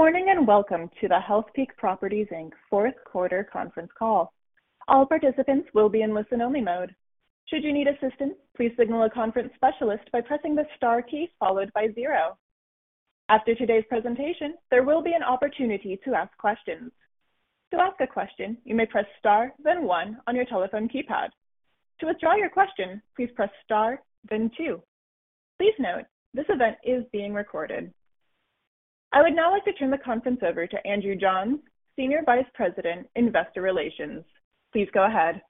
Good morning, welcome to the Healthpeak Properties Inc.'s fourth quarter conference call. All participants will be in listen-only mode. Should you need assistance, please signal a conference specialist by pressing the star key followed by zero. After today's presentation, there will be an opportunity to ask questions. To ask a question, you may press star then one on your telephone keypad. To withdraw your question, please press star then two. Please note, this event is being recorded. I would now like to turn the conference over to Andrew Johns, Senior Vice President, Investor Relations. Please go ahead.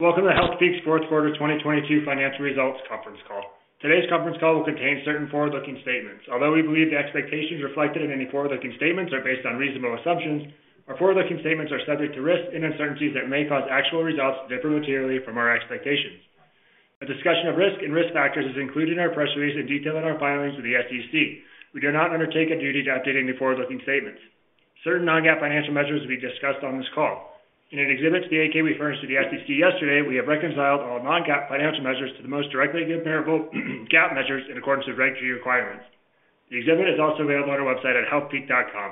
Welcome to Healthpeak's fourth quarter 2022 financial results conference call. Today's conference call will contain certain forward-looking statements. Although we believe the expectations reflected in any forward-looking statements are based on reasonable assumptions, our forward-looking statements are subject to risks and uncertainties that may cause actual results to differ materially from our expectations. A discussion of risk and risk factors is included in our press release in detail in our filings with the SEC. We do not undertake a duty to updating the forward-looking statements. Certain non-GAAP financial measures will be discussed on this call. In an Exhibit to the 8-K we furnished to the SEC yesterday, we have reconciled all non-GAAP financial measures to the most directly comparable GAAP measures in accordance with regulatory requirements. The exhibit is also available on our website at healthpeak.com.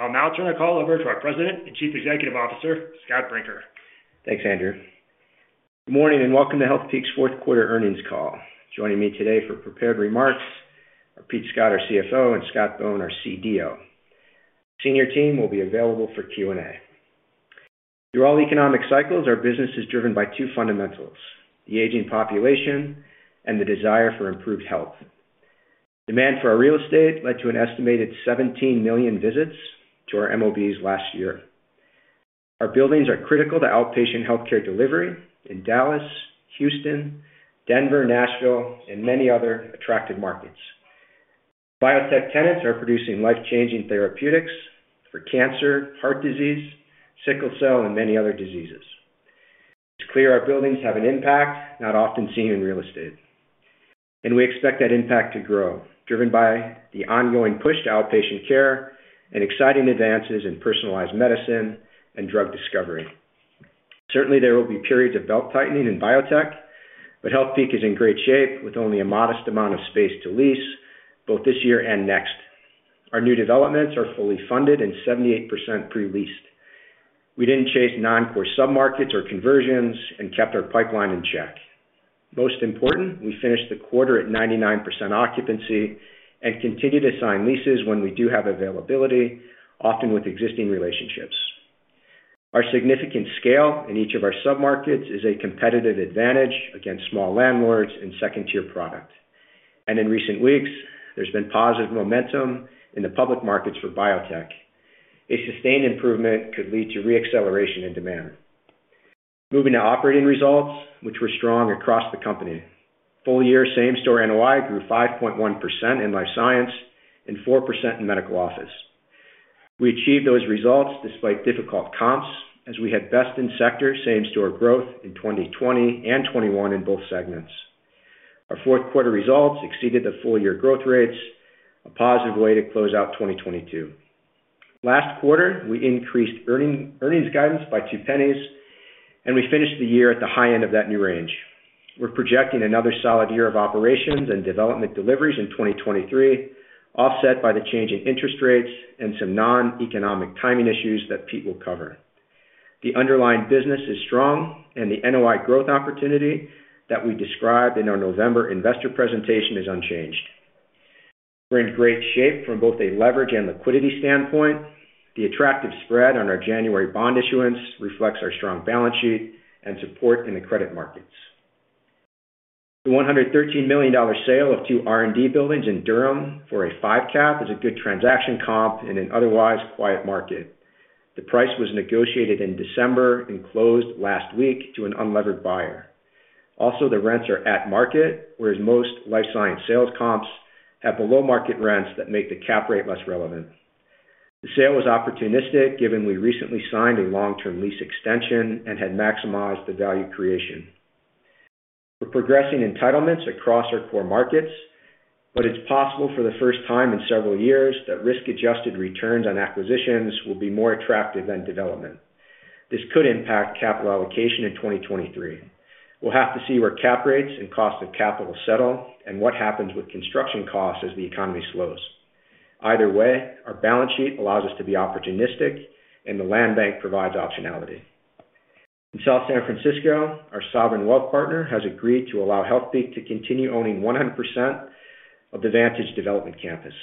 I'll now turn the call over to our President and Chief Executive Officer, Scott Brinker. Thanks, Andrew. Good morning, and welcome to Healthpeak's fourth quarter earnings call. Joining me today for prepared remarks are Pete Scott, our CFO, and Scott Bohn, our CDO. Senior team will be available for Q&A. Through all economic cycles, our business is driven by two fundamentals, the aging population and the desire for improved health. Demand for our real estate led to an estimated 17 million visits to our MOBs last year. Our buildings are critical to outpatient healthcare delivery in Dallas, Houston, Denver, Nashville, and many other attractive markets. Biotech tenants are producing life-changing therapeutics for cancer, heart disease, sickle cell, and many other diseases. It's clear our buildings have an impact not often seen in real estate, and we expect that impact to grow, driven by the ongoing push to outpatient care and exciting advances in personalized medicine and drug discovery. Certainly, there will be periods of belt-tightening in biotech, Healthpeak is in great shape with only a modest amount of space to lease both this year and next. Our new developments are fully funded and 78% pre-leased. We didn't chase non-core submarkets or conversions and kept our pipeline in check. Most important, we finished the quarter at 99% occupancy and continue to sign leases when we do have availability, often with existing relationships. Our significant scale in each of our submarkets is a competitive advantage against small landlords and second-tier product. In recent weeks, there's been positive momentum in the public markets for biotech. A sustained improvement could lead to re-acceleration in demand. Moving to operating results, which were strong across the company. Full year same-store NOI grew 5.1% in Life Science and 4% in medical office. We achieved those results despite difficult comps as we had best in sector same-store growth in 2020 and 2021 in both segments. Our fourth quarter results exceeded the full-year growth rates, a positive way to close out 2022. Last quarter, we increased earnings guidance by $0.02, we finished the year at the high end of that new range. We're projecting another solid year of operations and development deliveries in 2023, offset by the change in interest rates and some non-economic timing issues that Pete will cover. The underlying business is strong, the NOI growth opportunity that we described in our November investor presentation is unchanged. We're in great shape from both a leverage and liquidity standpoint. The attractive spread on our January bond issuance reflects our strong balance sheet and support in the credit markets. The $113 million sale of two R&D buildings in Durham for a 5% cap is a good transaction comp in an otherwise quiet market. The price was negotiated in December and closed last week to an unlevered buyer. The rents are at market, whereas most Life Science sales comps have below-market rents that make the cap rate less relevant. The sale was opportunistic, given we recently signed a long-term lease extension and had maximized the value creation. We're progressing entitlements across our core markets, but it's possible for the first time in several years that risk-adjusted returns on acquisitions will be more attractive than development. This could impact capital allocation in 2023. We'll have to see where cap rates and cost of capital settle and what happens with construction costs as the economy slows. Either way, our balance sheet allows us to be opportunistic, and the land bank provides optionality. In South San Francisco, our sovereign wealth partner has agreed to allow Healthpeak to continue owning 100% of the Vantage development campus.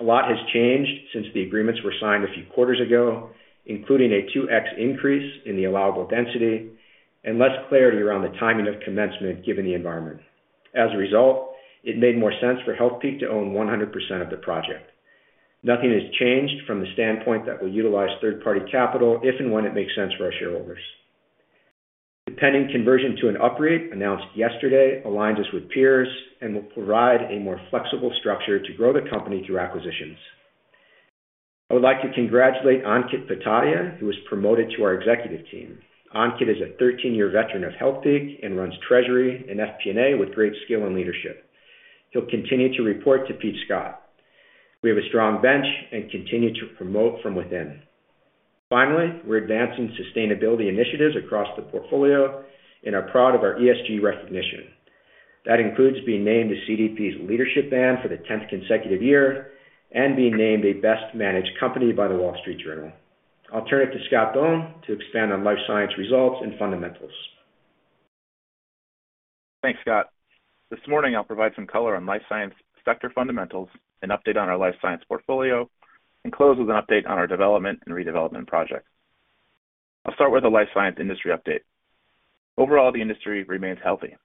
A lot has changed since the agreements were signed a few quarters ago, including a 2x increase in the allowable density and less clarity around the timing of commencement given the environment. As a result, it made more sense for Healthpeak to own 100% of the project. Nothing has changed from the standpoint that we'll utilize third-party capital if and when it makes sense for our shareholders. The pending conversion to an UPREIT announced yesterday aligns us with peers and will provide a more flexible structure to grow the company through acquisitions. I would like to congratulate Ankit Patadia, who was promoted to our executive team. Ankit is a 13-year veteran of Healthpeak and runs Treasury and FP&A with great skill and leadership. He'll continue to report to Pete Scott. We have a strong bench and continue to promote from within. Finally, we're advancing sustainability initiatives across the portfolio and are proud of our ESG recognition. That includes being named the CDP's Leadership Band for the tenth consecutive year, and being named a best-managed company by The Wall Street Journal. I'll turn it to Scott Bohn to expand on Life Science results and fundamentals. Thanks, Scott. This morning, I'll provide some color on Life Science sector fundamentals, an update on our Life Science portfolio, and close with an update on our development and redevelopment projects. I'll start with the Life Science industry update. Overall, the industry remains healthy.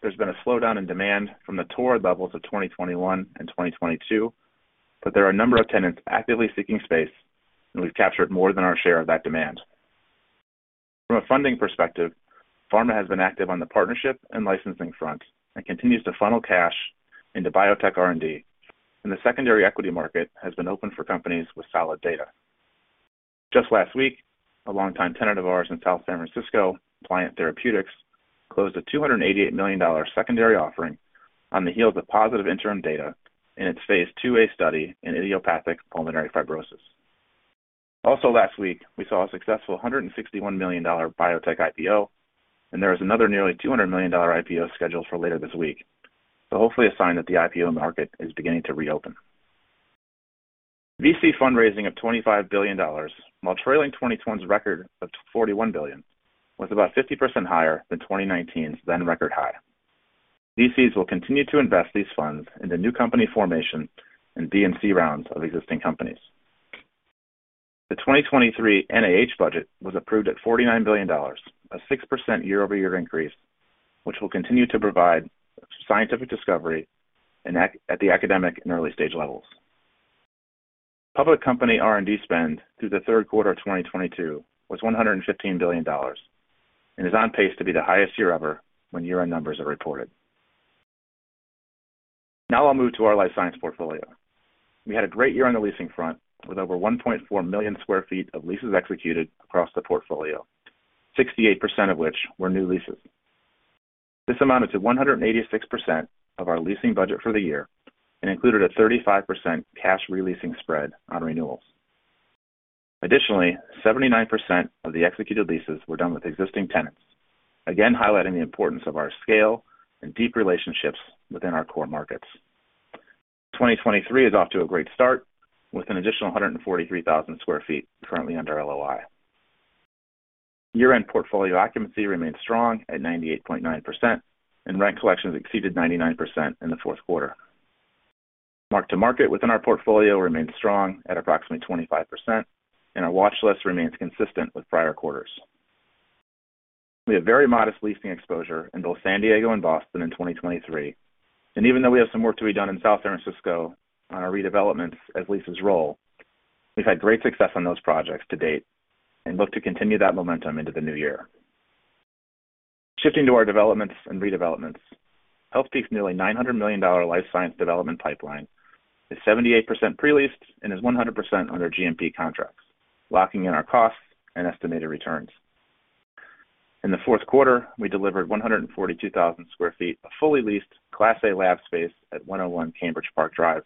There's been a slowdown in demand from the toward levels of 2021 and 2022, but there are a number of tenants actively seeking space, and we've captured more than our share of that demand. From a funding perspective, pharma has been active on the partnership and licensing front and continues to funnel cash into biotech R&D, and the secondary equity market has been open for companies with solid data. Just last week, a long-time tenant of ours in South San Francisco, Pliant Therapeutics, closed a $288 million secondary offering on the heels of positive interim data in its phase II-A study in idiopathic pulmonary fibrosis. Also last week, we saw a successful $161 million biotech IPO, and there was another nearly $200 million IPO scheduled for later this week. Hopefully a sign that the IPO market is beginning to reopen. VC fundraising of $25 billion, while trailing 2021's record of $41 billion, was about 50% higher than 2019's then record high. VCs will continue to invest these funds into new company formation and B and C rounds of existing companies. The 2023 NIH budget was approved at $49 billion, a 6% year-over-year increase, which will continue to provide scientific discovery at the academic and early stage levels. Public company R&D spend through the third quarter of 2022 was $115 billion and is on pace to be the highest year ever when year-end numbers are reported. I'll move to our Life Science portfolio. We had a great year on the leasing front, with over 1.4 million sq ft of leases executed across the portfolio, 68% of which were new leases. This amounted to 186% of our leasing budget for the year and included a 35% cash re-leasing spread on renewals. 79% of the executed leases were done with existing tenants. Again, highlighting the importance of our scale and deep relationships within our core markets. 2023 is off to a great start with an additional 143,000 sq ft currently under LOI. Year-end portfolio occupancy remains strong at 98.9%, and rent collections exceeded 99% in the fourth quarter. mark to market within our portfolio remains strong at approximately 25%, and our watch list remains consistent with prior quarters. We have very modest leasing exposure in both San Diego and Boston in 2023, and even though we have some work to be done in South San Francisco on our redevelopments as leases roll, we've had great success on those projects to date and look to continue that momentum into the new year. Shifting to our developments and redevelopments, Healthpeak's nearly $900 million Life Science development pipeline is 78% pre-leased and is 100% under GMP contracts, locking in our costs and estimated returns. In the fourth quarter, we delivered 142,000 sq ft of fully leased Class A lab space at 101 Cambridge Park Drive,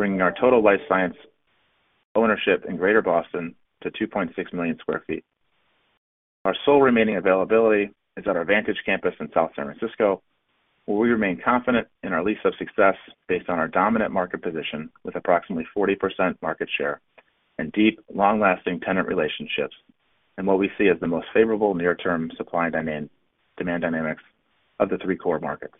bringing our total Life Science ownership in Greater Boston to 2.6 million sq ft. Our sole remaining availability is at our Vantage campus in South San Francisco, where we remain confident in our lease of success based on our dominant market position with approximately 40% market share and deep, long-lasting tenant relationships, and what we see as the most favorable near term supply and demand dynamics of the three core markets.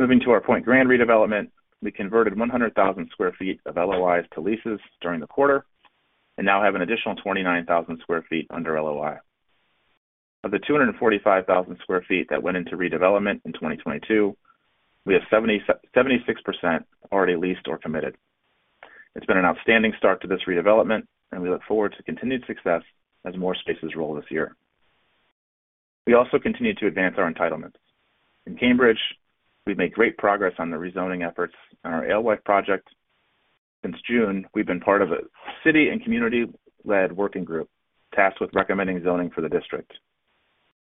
Moving to our Pointe Grand redevelopment, we converted 100,000 sq ft of LOIs to leases during the quarter and now have an additional 29,000 sq ft under LOI. Of the 245,000 sq ft that went into redevelopment in 2022, we have 76% already leased or committed. It's been an outstanding start to this redevelopment, and we look forward to continued success as more spaces roll this year. We also continue to advance our entitlements. In Cambridge, we've made great progress on the rezoning efforts on our Alewife project. Since June, we've been part of a city and community-led working group tasked with recommending zoning for the district.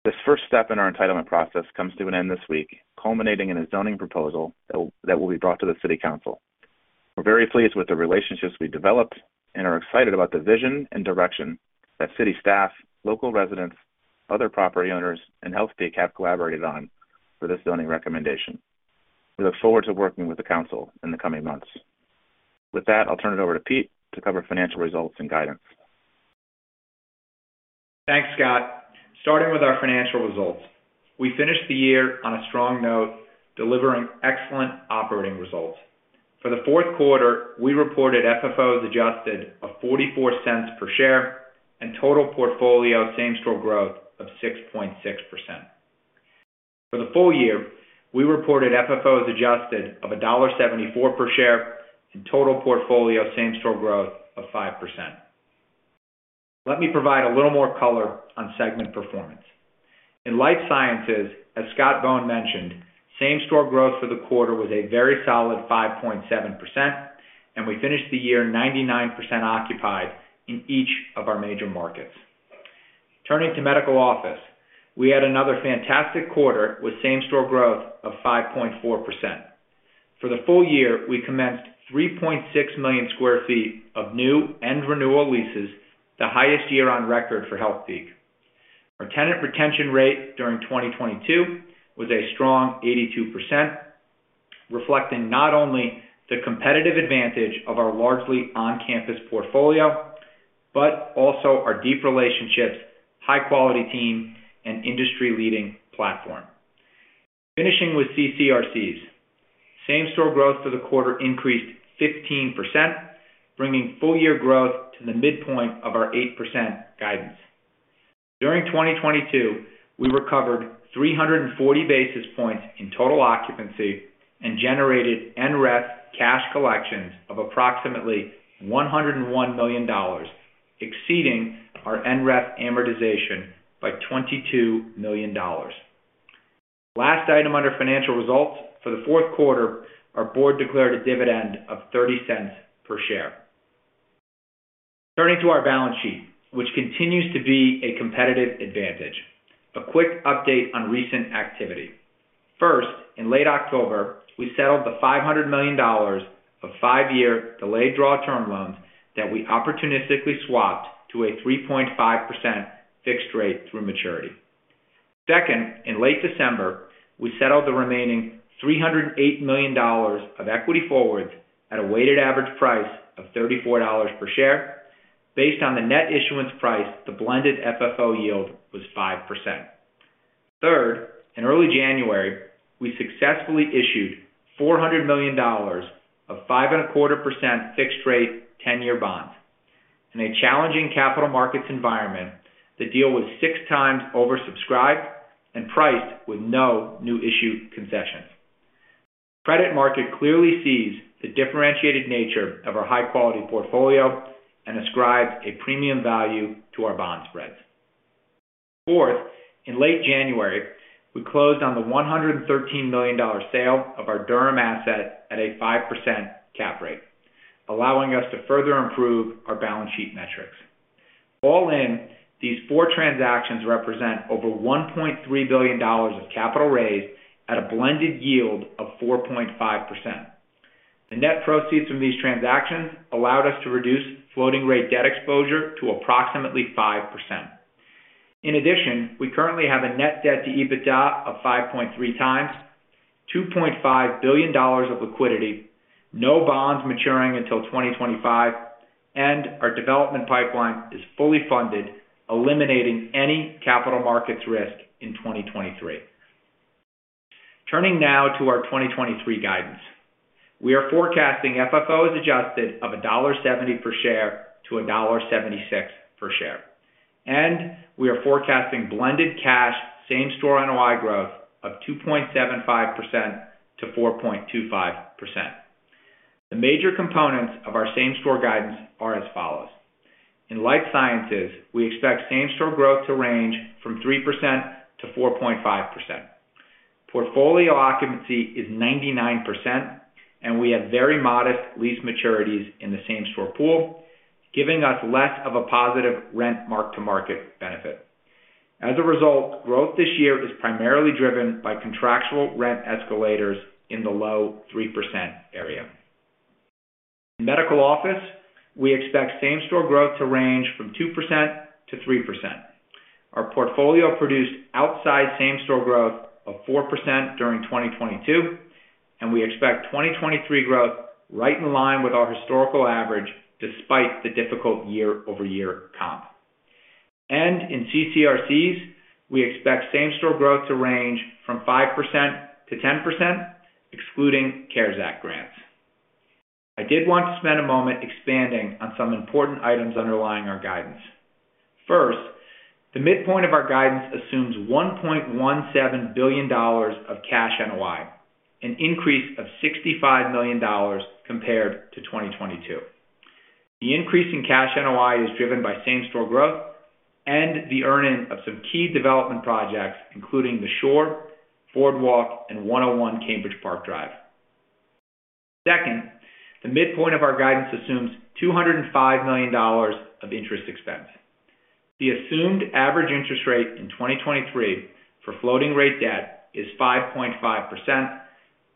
This first step in our entitlement process comes to an end this week, culminating in a zoning proposal that will be brought to the city council. We're very pleased with the relationships we developed and are excited about the vision and direction that city staff, local residents, other property owners, and Healthpeak have collaborated on for this zoning recommendation. We look forward to working with the council in the coming months. With that, I'll turn it over to Pete to cover financial results and guidance. Thanks, Scott. Starting with our financial results. We finished the year on a strong note, delivering excellent operating results. For the fourth quarter, we reported FFO as adjusted of $0.44 per share and total portfolio same-store growth of 6.6%. For the full year, we reported FFO as adjusted of $1.74 per share and total portfolio same-store growth of 5%. Let me provide a little more color on segment performance. In Life Sciences, as Scott Bohn mentioned, same-store growth for the quarter was a very solid 5.7%, and we finished the year 99% occupied in each of our major markets. Turning to medical office, we had another fantastic quarter with same-store growth of 5.4%. For the full year, we commenced 3.6 million sq ft of new and renewal leases, the highest year on record for Healthpeak. Our tenant retention rate during 2022 was a strong 82%, reflecting not only the competitive advantage of our largely on-campus portfolio, but also our deep relationships, high-quality team, and industry-leading platform. Finishing with CCRCs, same-store growth for the quarter increased 15%, bringing full-year growth to the midpoint of our 8% guidance. During 2022, we recovered 340 basis points in total occupancy and generated NREIT cash collections of approximately $101 million, exceeding our NREIT amortization by $22 million. Last item under financial results. For the fourth quarter, our board declared a dividend of $0.30 per share. Turning to our balance sheet, which continues to be a competitive advantage. A quick update on recent activity. First, in late October, we settled the $500 million of five-year delayed draw term loans that we opportunistically swapped to a 3.5% fixed rate through maturity. Second, in late December, we settled the remaining $308 million of equity forwards at a weighted average price of $34 per share. Based on the net issuance price, the blended FFO yield was 5%. Third, in early January, we successfully issued $400 million of 5.25% fixed rate 10-year bonds. In a challenging capital markets environment, the deal was six times oversubscribed and priced with no new issue concessions. Credit market clearly sees the differentiated nature of our high-quality portfolio and ascribes a premium value to our bond spreads. Fourth, in late January, we closed on the $113 million sale of our Durham asset at a 5% cap rate, allowing us to further improve our balance sheet metrics. All in, these four transactions represent over $1.3 billion of capital raised at a blended yield of 4.5%. The net proceeds from these transactions allowed us to reduce floating rate debt exposure to approximately 5%. In addition, we currently have a net debt to EBITDA of 5.3x, $2.5 billion of liquidity, no bonds maturing until 2025, and our development pipeline is fully funded, eliminating any capital markets risk in 2023. Turning now to our 2023 guidance. We are forecasting FFOs adjusted of $1.70 per share to $1.76 per share. We are forecasting blended cash same-store NOI growth of 2.75%-4.25%. The major components of our same-store guidance are as follows. In Life Sciences, we expect same-store growth to range from 3%-4.5%. Portfolio occupancy is 99%, and we have very modest lease maturities in the same-store pool, giving us less of a positive rent mark-to-market benefit. As a result, growth this year is primarily driven by contractual rent escalators in the low 3% area. In medical office, we expect same-store growth to range from 2%-3%. Our portfolio produced outside same-store growth of 4% during 2022, and we expect 2023 growth right in line with our historical average despite the difficult year-over-year comp. In CCRCs, we expect same-store growth to range from 5%-10%, excluding CARES Act grants. I did want to spend a moment expanding on some important items underlying our guidance. First, the midpoint of our guidance assumes $1.17 billion of cash NOI, an increase of $65 million compared to 2022. The increase in cash NOI is driven by same-store growth and the earn-in of some key development projects, including The Shore, Boardwalk, and 101 Cambridge Park Drive. Second, the midpoint of our guidance assumes $205 million of interest expense. The assumed average interest rate in 2023 for floating rate debt is 5.5%,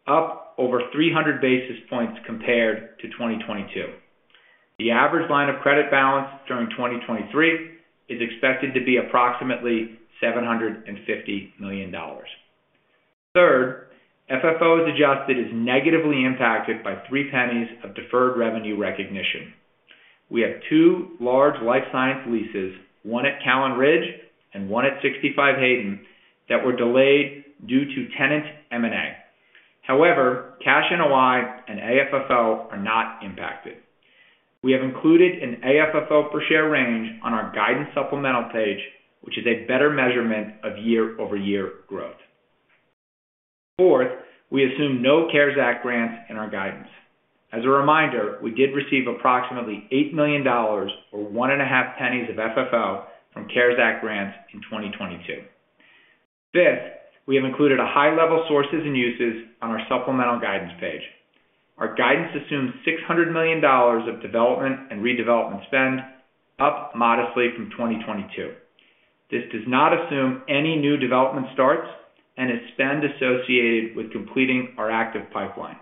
up over 300 basis points compared to 2022. The average line of credit balance during 2023 is expected to be approximately $750 million. Third, FFO as adjusted is negatively impacted by $0.03 of deferred revenue recognition. We have two large Life Science leases, one at Callan Ridge and one at 65 Hayden, that were delayed due to tenant M&A. However, cash NOI and AFFO are not impacted. We have included an AFFO per share range on our guidance supplemental page, which is a better measurement of year-over-year growth. Fourth, we assume no CARES Act grants in our guidance. As a reminder, we did receive approximately $8 million or $0.015 of FFO from CARES Act grants in 2022. Fifth, we have included a high-level sources and uses on our supplemental guidance page. Our guidance assumes $600 million of development and redevelopment spend, up modestly from 2022. This does not assume any new development starts and is spend associated with completing our active pipeline.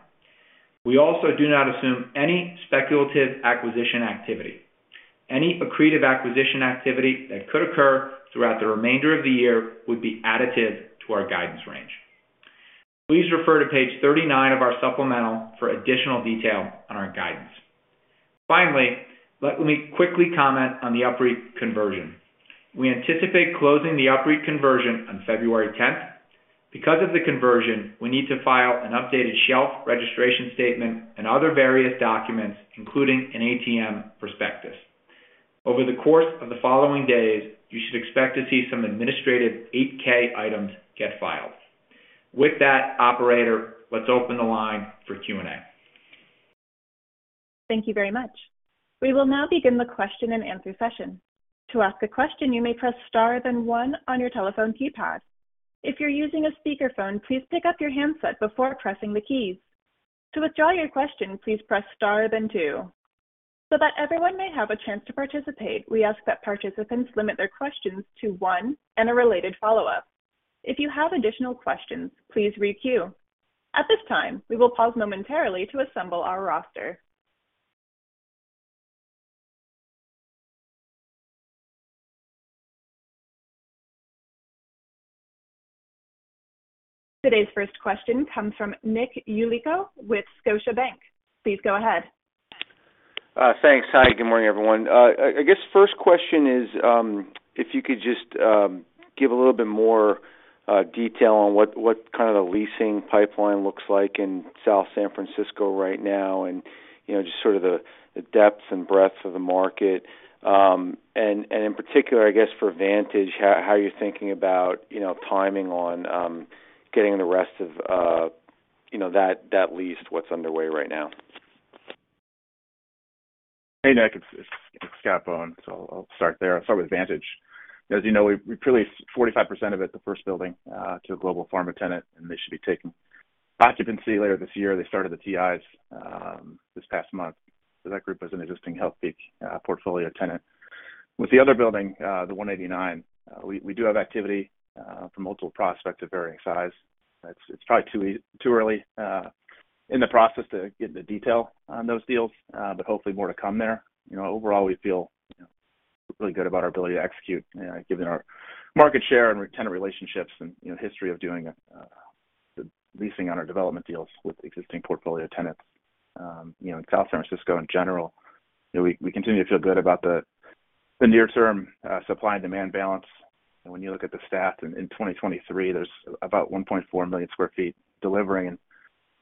We do not assume any speculative acquisition activity. Any accretive acquisition activity that could occur throughout the remainder of the year would be additive to our guidance range. Please refer to page 39 of our supplemental for additional detail on our guidance. Let me quickly comment on the UPREIT conversion. We anticipate closing the UPREIT conversion on February 10th. Because of the conversion, we need to file an updated shelf registration statement and other various documents, including an ATM prospectus. Over the course of the following days, you should expect to see some administrative 8-K items get filed. With that, operator, let's open the line for Q&A. Thank you very much. We will now begin the question and answer session. To ask a question, you may press star then one on your telephone keypad. If you're using a speakerphone, please pick up your handset before pressing the keys. To withdraw your question, please press star then two. That everyone may have a chance to participate, we ask that participants limit their questions to one and a related follow-up. If you have additional questions, please re-queue. At this time, we will pause momentarily to assemble our roster. Today's first question comes from Nick Yulico with Scotiabank. Please go ahead. Thanks. Hi, good morning, everyone. I guess first question is, if you could just give a little bit more detail on what kind of the leasing pipeline looks like in South San Francisco right now, and, you know, just sort of the depths and breadths of the market? In particular, I guess for Vantage, how are you thinking about, you know, timing on getting the rest of, you know, that lease, what's underway right now? Hey, Nick, it's Scott Bohn. I'll start there. I'll start with Vantage. As you know, we pre-leased 45% of it, the first building, to a global pharma tenant, and they should be taking occupancy later this year. They started the TIs this past month. That group is an existing Healthpeak portfolio tenant. With the other building, the 189, we do have activity from multiple prospects of varying size. It's probably too early in the process to get into detail on those deals, but hopefully more to come there. You know, overall, we feel, you know, really good about our ability to execute, given our market share and re-tenant relationships and, you know, history of doing the leasing on our development deals with existing portfolio tenants. You know, in South San Francisco in general, you know, we continue to feel good about the near term supply and demand balance. When you look at the stats in 2023, there's about 1.4 million sq ft delivering in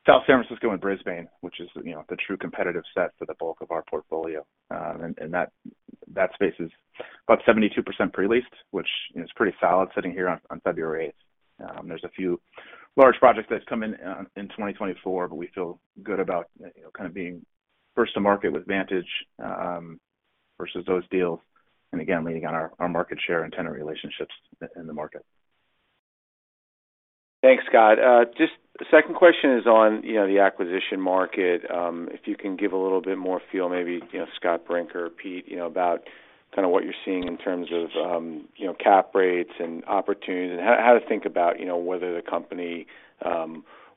South San Francisco and Brisbane, which is, you know, the true competitive set for the bulk of our portfolio. That space is about 72% pre-leased, which is pretty solid sitting here on February 8th. There's a few large projects that's coming in 2024, but we feel good about, you know, kind of being first to market with Vantage versus those deals, and again, leaning on our market share and tenant relationships in the market. Thanks, Scott. Just the second question is on, you know, the acquisition market. If you can give a little bit more feel maybe, you know, Scott Brinker or Pete, you know, about kinda what you're seeing in terms of, you know, cap rates and opportunities and how to think about, you know, whether the company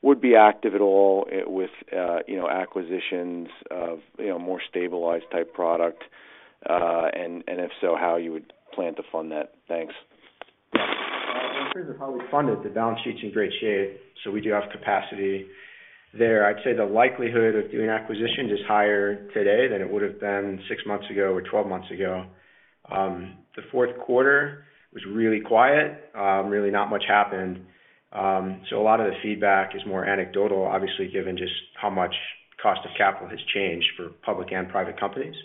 would be active at all with, you know, acquisitions of, you know, more stabilized type product. If so, how you would plan to fund that. Thanks. In terms of how we fund it, the balance sheet's in great shape, so we do have capacity there. I'd say the likelihood of doing acquisitions is higher today than it would've been six months ago or 12 months ago. The fourth quarter was really quiet. Really not much happened. A lot of the feedback is more anecdotal, obviously, given just how much cost of capital has changed for public and private companies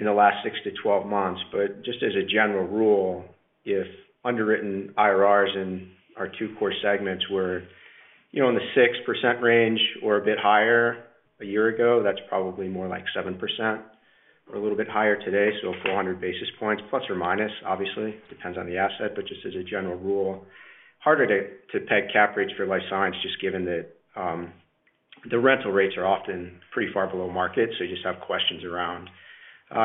in the last six to 12 months. Just as a general rule, if underwritten IRRs in our two core segments were, you know, in the 6% range or a bit higher a year ago, that's probably more like 7% or a little bit higher today, so ±400 basis points, obviously, depends on the asset. Just as a general rule, harder to peg cap rates for Life Science just given that the rental rates are often pretty far below market. You just have questions around,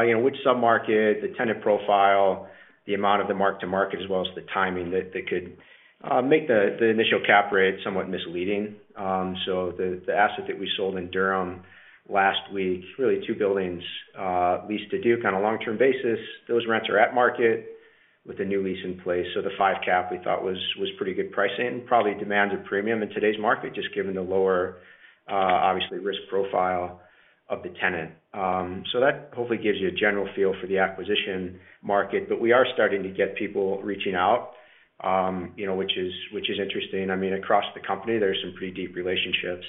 you know, which sub-market, the tenant profile, the amount of the mark to market, as well as the timing that could make the initial cap rate somewhat misleading. The asset that we sold in Durham last week, really two buildings, leased to Duke on a long-term basis. Those rents are at market with a new lease in place. The 5% cap we thought was pretty good pricing. Probably demands a premium in today's market just given the lower obviously risk profile of the tenant. That hopefully gives you a general feel for the acquisition market. We are starting to get people reaching out, you know, which is, which is interesting. I mean, across the company, there's some pretty deep relationships.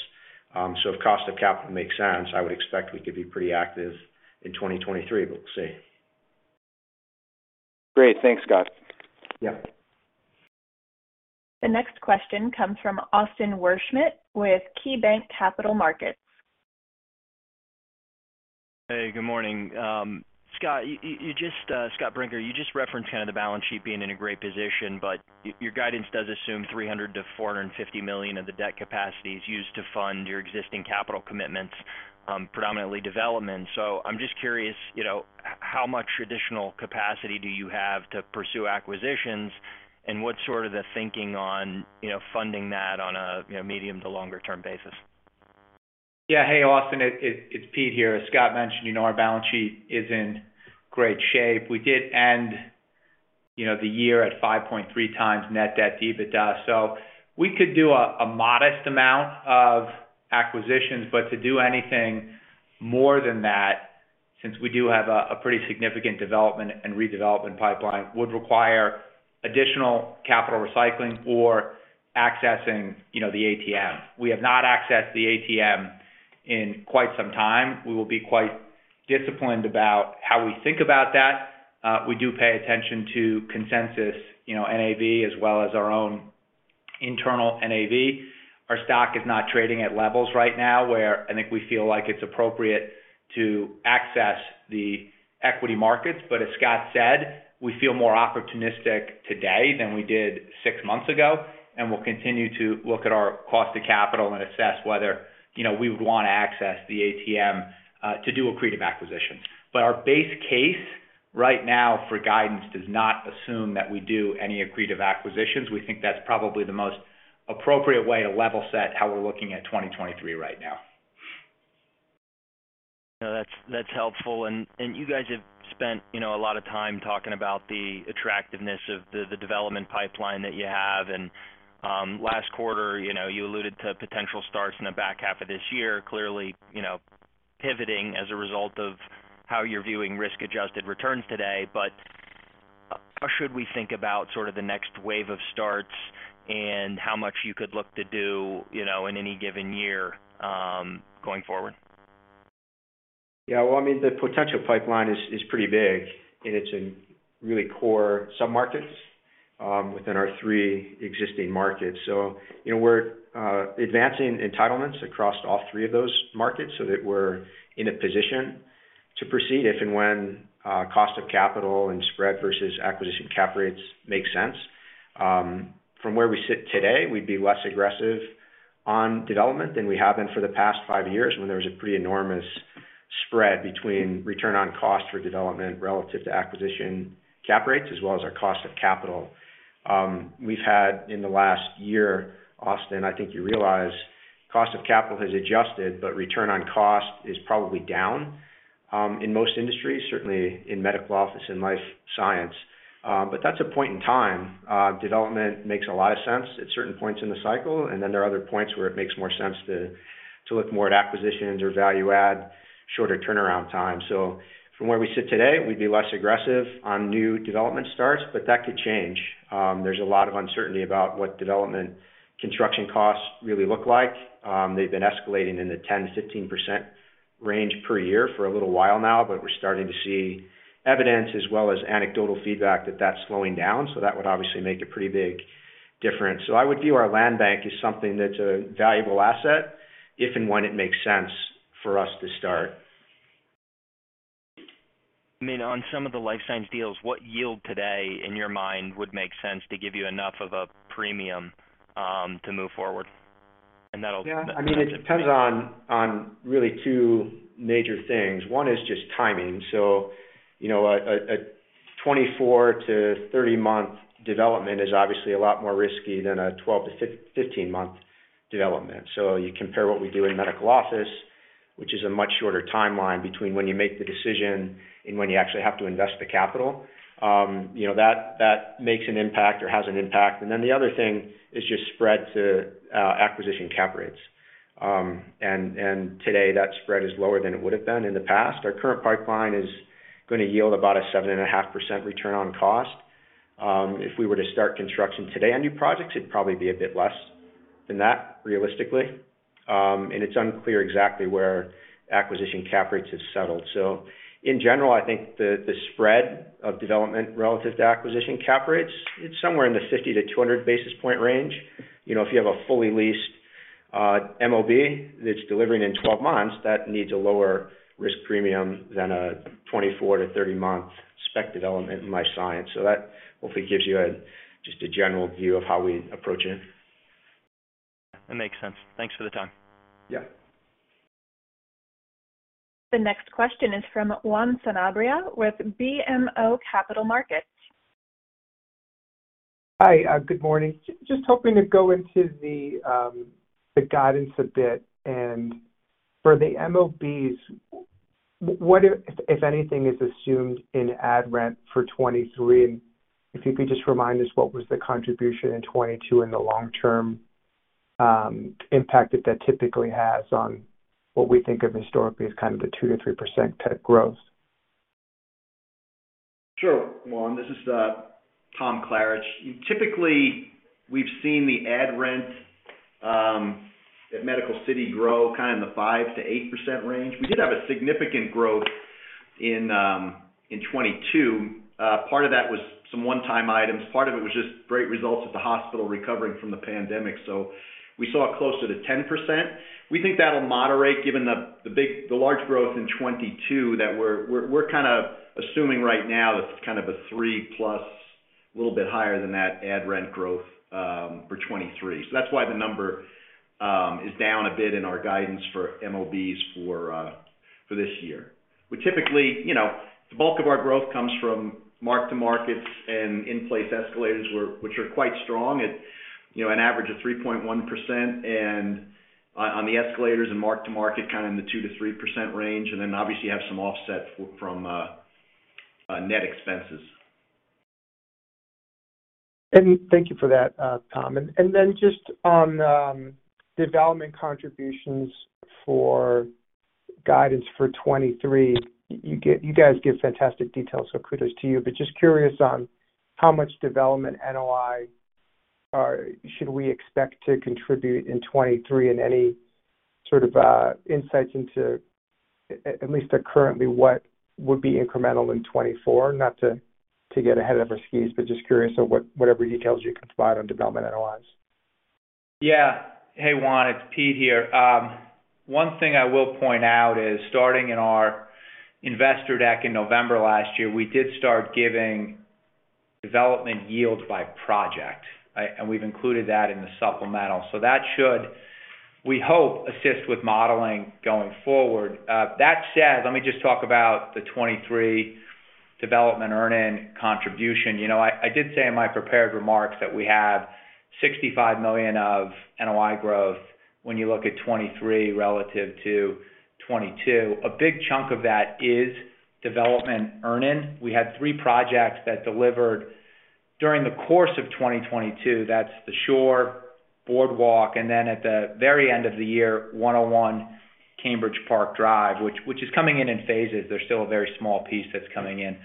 If cost of capital makes sense, I would expect we could be pretty active in 2023, but we'll see. Great. Thanks, Scott. Yeah. The next question comes from Austin Wurschmidt with KeyBanc Capital Markets. Hey, good morning. Scott, you just, Scott Brinker, you just referenced kind of the balance sheet being in a great position, but your guidance does assume $300 million-$450 million of the debt capacity is used to fund your existing capital commitments, predominantly development. I'm just curious, you know, how much traditional capacity do you have to pursue acquisitions, and what's sort of the thinking on, you know, funding that on a, you know, medium to longer term basis? Hey, Austin, it's Pete here. As Scott mentioned, you know, our balance sheet is in great shape. We did end, you know, the year at 5.3x net debt to EBITDA. We could do a modest amount of acquisitions, but to do anything more than that, since we do have a pretty significant development and redevelopment pipeline, would require additional capital recycling or accessing, you know, the ATM. We have not accessed the ATM in quite some time. We will be quite disciplined about how we think about that. We do pay attention to consensus, you know, NAV as well as our own internal NAV. Our stock is not trading at levels right now where I think we feel like it's appropriate to access the equity markets. As Scott said, we feel more opportunistic today than we did six months ago, and we'll continue to look at our cost of capital and assess whether, you know, we would wanna access the ATM to do accretive acquisitions. Our base case right now for guidance does not assume that we do any accretive acquisitions. We think that's probably the most appropriate way to level set how we're looking at 2023 right now. No, that's helpful. You guys have spent, you know, a lot of time talking about the attractiveness of the development pipeline that you have. Last quarter, you know, you alluded to potential starts in the back half of this year, clearly, you know, pivoting as a result of how you're viewing risk-adjusted returns today. How should we think about sort of the next wave of starts and how much you could look to do, you know, in any given year, going forward? Yeah. Well, I mean, the potential pipeline is pretty big, and it's in really core sub-markets within our three existing markets. You know, we're advancing entitlements across all three of those markets so that we're in a position to proceed if and when cost of capital and spread versus acquisition cap rates make sense. From where we sit today, we'd be less aggressive on development than we have been for the past five years when there was a pretty enormous spread between return on cost for development relative to acquisition cap rates, as well as our cost of capital. We've had in the last year, Austin, I think you realize, cost of capital has adjusted, but return on cost is probably down in most industries, certainly in medical office and Life Science. That's a point in time. Development makes a lot of sense at certain points in the cycle, and then there are other points where it makes more sense to look more at acquisitions or value add, shorter turnaround time. From where we sit today, we'd be less aggressive on new development starts, but that could change. There's a lot of uncertainty about what development construction costs really look like. They've been escalating in the 10%-15% range per year for a little while now, but we're starting to see evidence as well as anecdotal feedback that that's slowing down. That would obviously make a pretty big difference. I would view our land bank as something that's a valuable asset if and when it makes sense for us to start. I mean, on some of the Life Science deals, what yield today, in your mind, would make sense to give you enough of a premium, to move forward? Yeah. I mean, it depends on really two major things. One is just timing. You know, a 24 to 30 month development is obviously a lot more risky than a 12 to 15 month development. You compare what we do in medical office, which is a much shorter timeline between when you make the decision and when you actually have to invest the capital. You know, that makes an impact or has an impact. The other thing is just spread to acquisition cap rates. And today, that spread is lower than it would have been in the past. Our current pipeline is gonna yield about a 7.5% return on cost. If we were to start construction today on new projects, it'd probably be a bit less than that, realistically. It's unclear exactly where acquisition cap rates have settled. In general, I think the spread of development relative to acquisition cap rates, it's somewhere in the 50-200 basis point range. You know, if you have a fully leased MOB that's delivering in 12 months, that needs a lower risk premium than a 24 to 30 month spec development in Life Science. That hopefully gives you just a general view of how we approach it. That makes sense. Thanks for the time. Yeah. The next question is from Juan Sanabria with BMO Capital Markets. Hi, good morning. Just hoping to go into the guidance a bit. For the MOBs, what, if anything, is assumed in add rent for 2023? If you could just remind us what was the contribution in 2022 and the long-term impact that typically has on what we think of historically as kind of the 2%-3% tenant growth. Sure, Juan. This is Tom Klaritch. Typically, we've seen the add rent at Medical City grow kind of in the 5%-8% range. We did have a significant growth. In 2022, part of that was some one-time items. Part of it was just great results at the hospital recovering from the pandemic. We saw closer to 10%. We think that'll moderate given the large growth in 2022, that we're kind of assuming right now that's kind of a 3+, little bit higher than that, add rent growth for 2023. That's why the number is down a bit in our guidance for MOBs for this year. We typically, you know, the bulk of our growth comes from mark to markets and in-place escalators which are quite strong at, you know, an average of 3.1%. On the escalators and mark to market, kind of in the 2%-3% range. Then obviously have some offset from net expenses. Thank you for that, Tom. Then just on development contributions for guidance for 2023. You guys give fantastic details, so kudos to you. Just curious on how much development NOI should we expect to contribute in 2023, and any sort of insights into at least currently, what would be incremental in 2024? Not to get ahead of our skis, just curious on whatever details you can provide on development NOIs. Hey, Juan Sanabria, it's Pete Scott here. One thing I will point out is starting in our investor deck in November 2022, we did start giving development yields by project, right? We've included that in the supplemental. That should, we hope, assist with modeling going forward. That said, let me just talk about the 2023 development earn-in contribution. You know, I did say in my prepared remarks that we have $65 million of NOI growth when you look at 2023 relative to 2022. A big chunk of that is development earn-in. We had three projects that delivered during the course of 2022. That's The Shore, Boardwalk, and then at the very end of the year, 101 Cambridge Park Drive, which is coming in in phases. There's still a very small piece that's coming in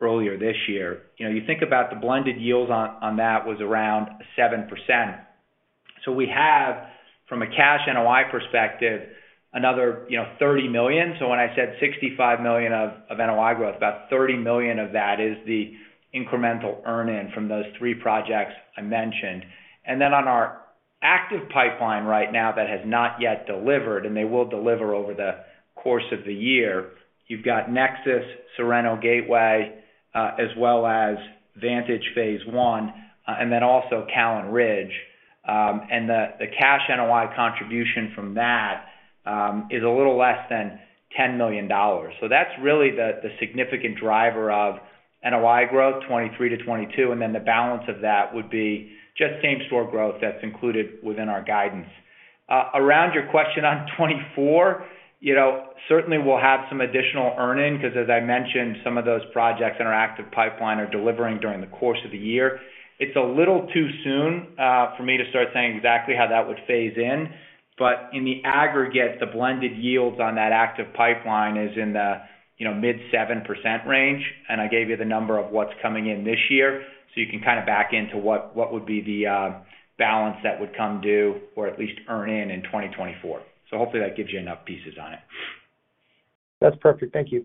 earlier this year. You know, you think about the blended yields on that was around 7%. We have, from a cash NOI perspective, another, you know, $30 million. When I said $65 million of NOI growth, about $30 million of that is the incremental earn-in from those three projects I mentioned. On our active pipeline right now that has not yet delivered, and they will deliver over the course of the year, you've got Nexus, Sorrento Gateway, as well as Vantage phase I, and then also Callan Ridge. The cash NOI contribution from that is a little less than $10 million. That's really the significant driver of NOI growth, 2023 to 2022. The balance of that would be just same-store growth that's included within our guidance. Around your question on 2024, you know, certainly we'll have some additional earn-in because as I mentioned, some of those projects in our active pipeline are delivering during the course of the year. It's a little too soon for me to start saying exactly how that would phase in. In the aggregate, the blended yields on that active pipeline is in the, you know, mid-7% range. I gave you the number of what's coming in this year, so you can kind of back into what would be the balance that would come due or at least earn in in 2024. Hopefully that gives you enough pieces on it. That's perfect. Thank you.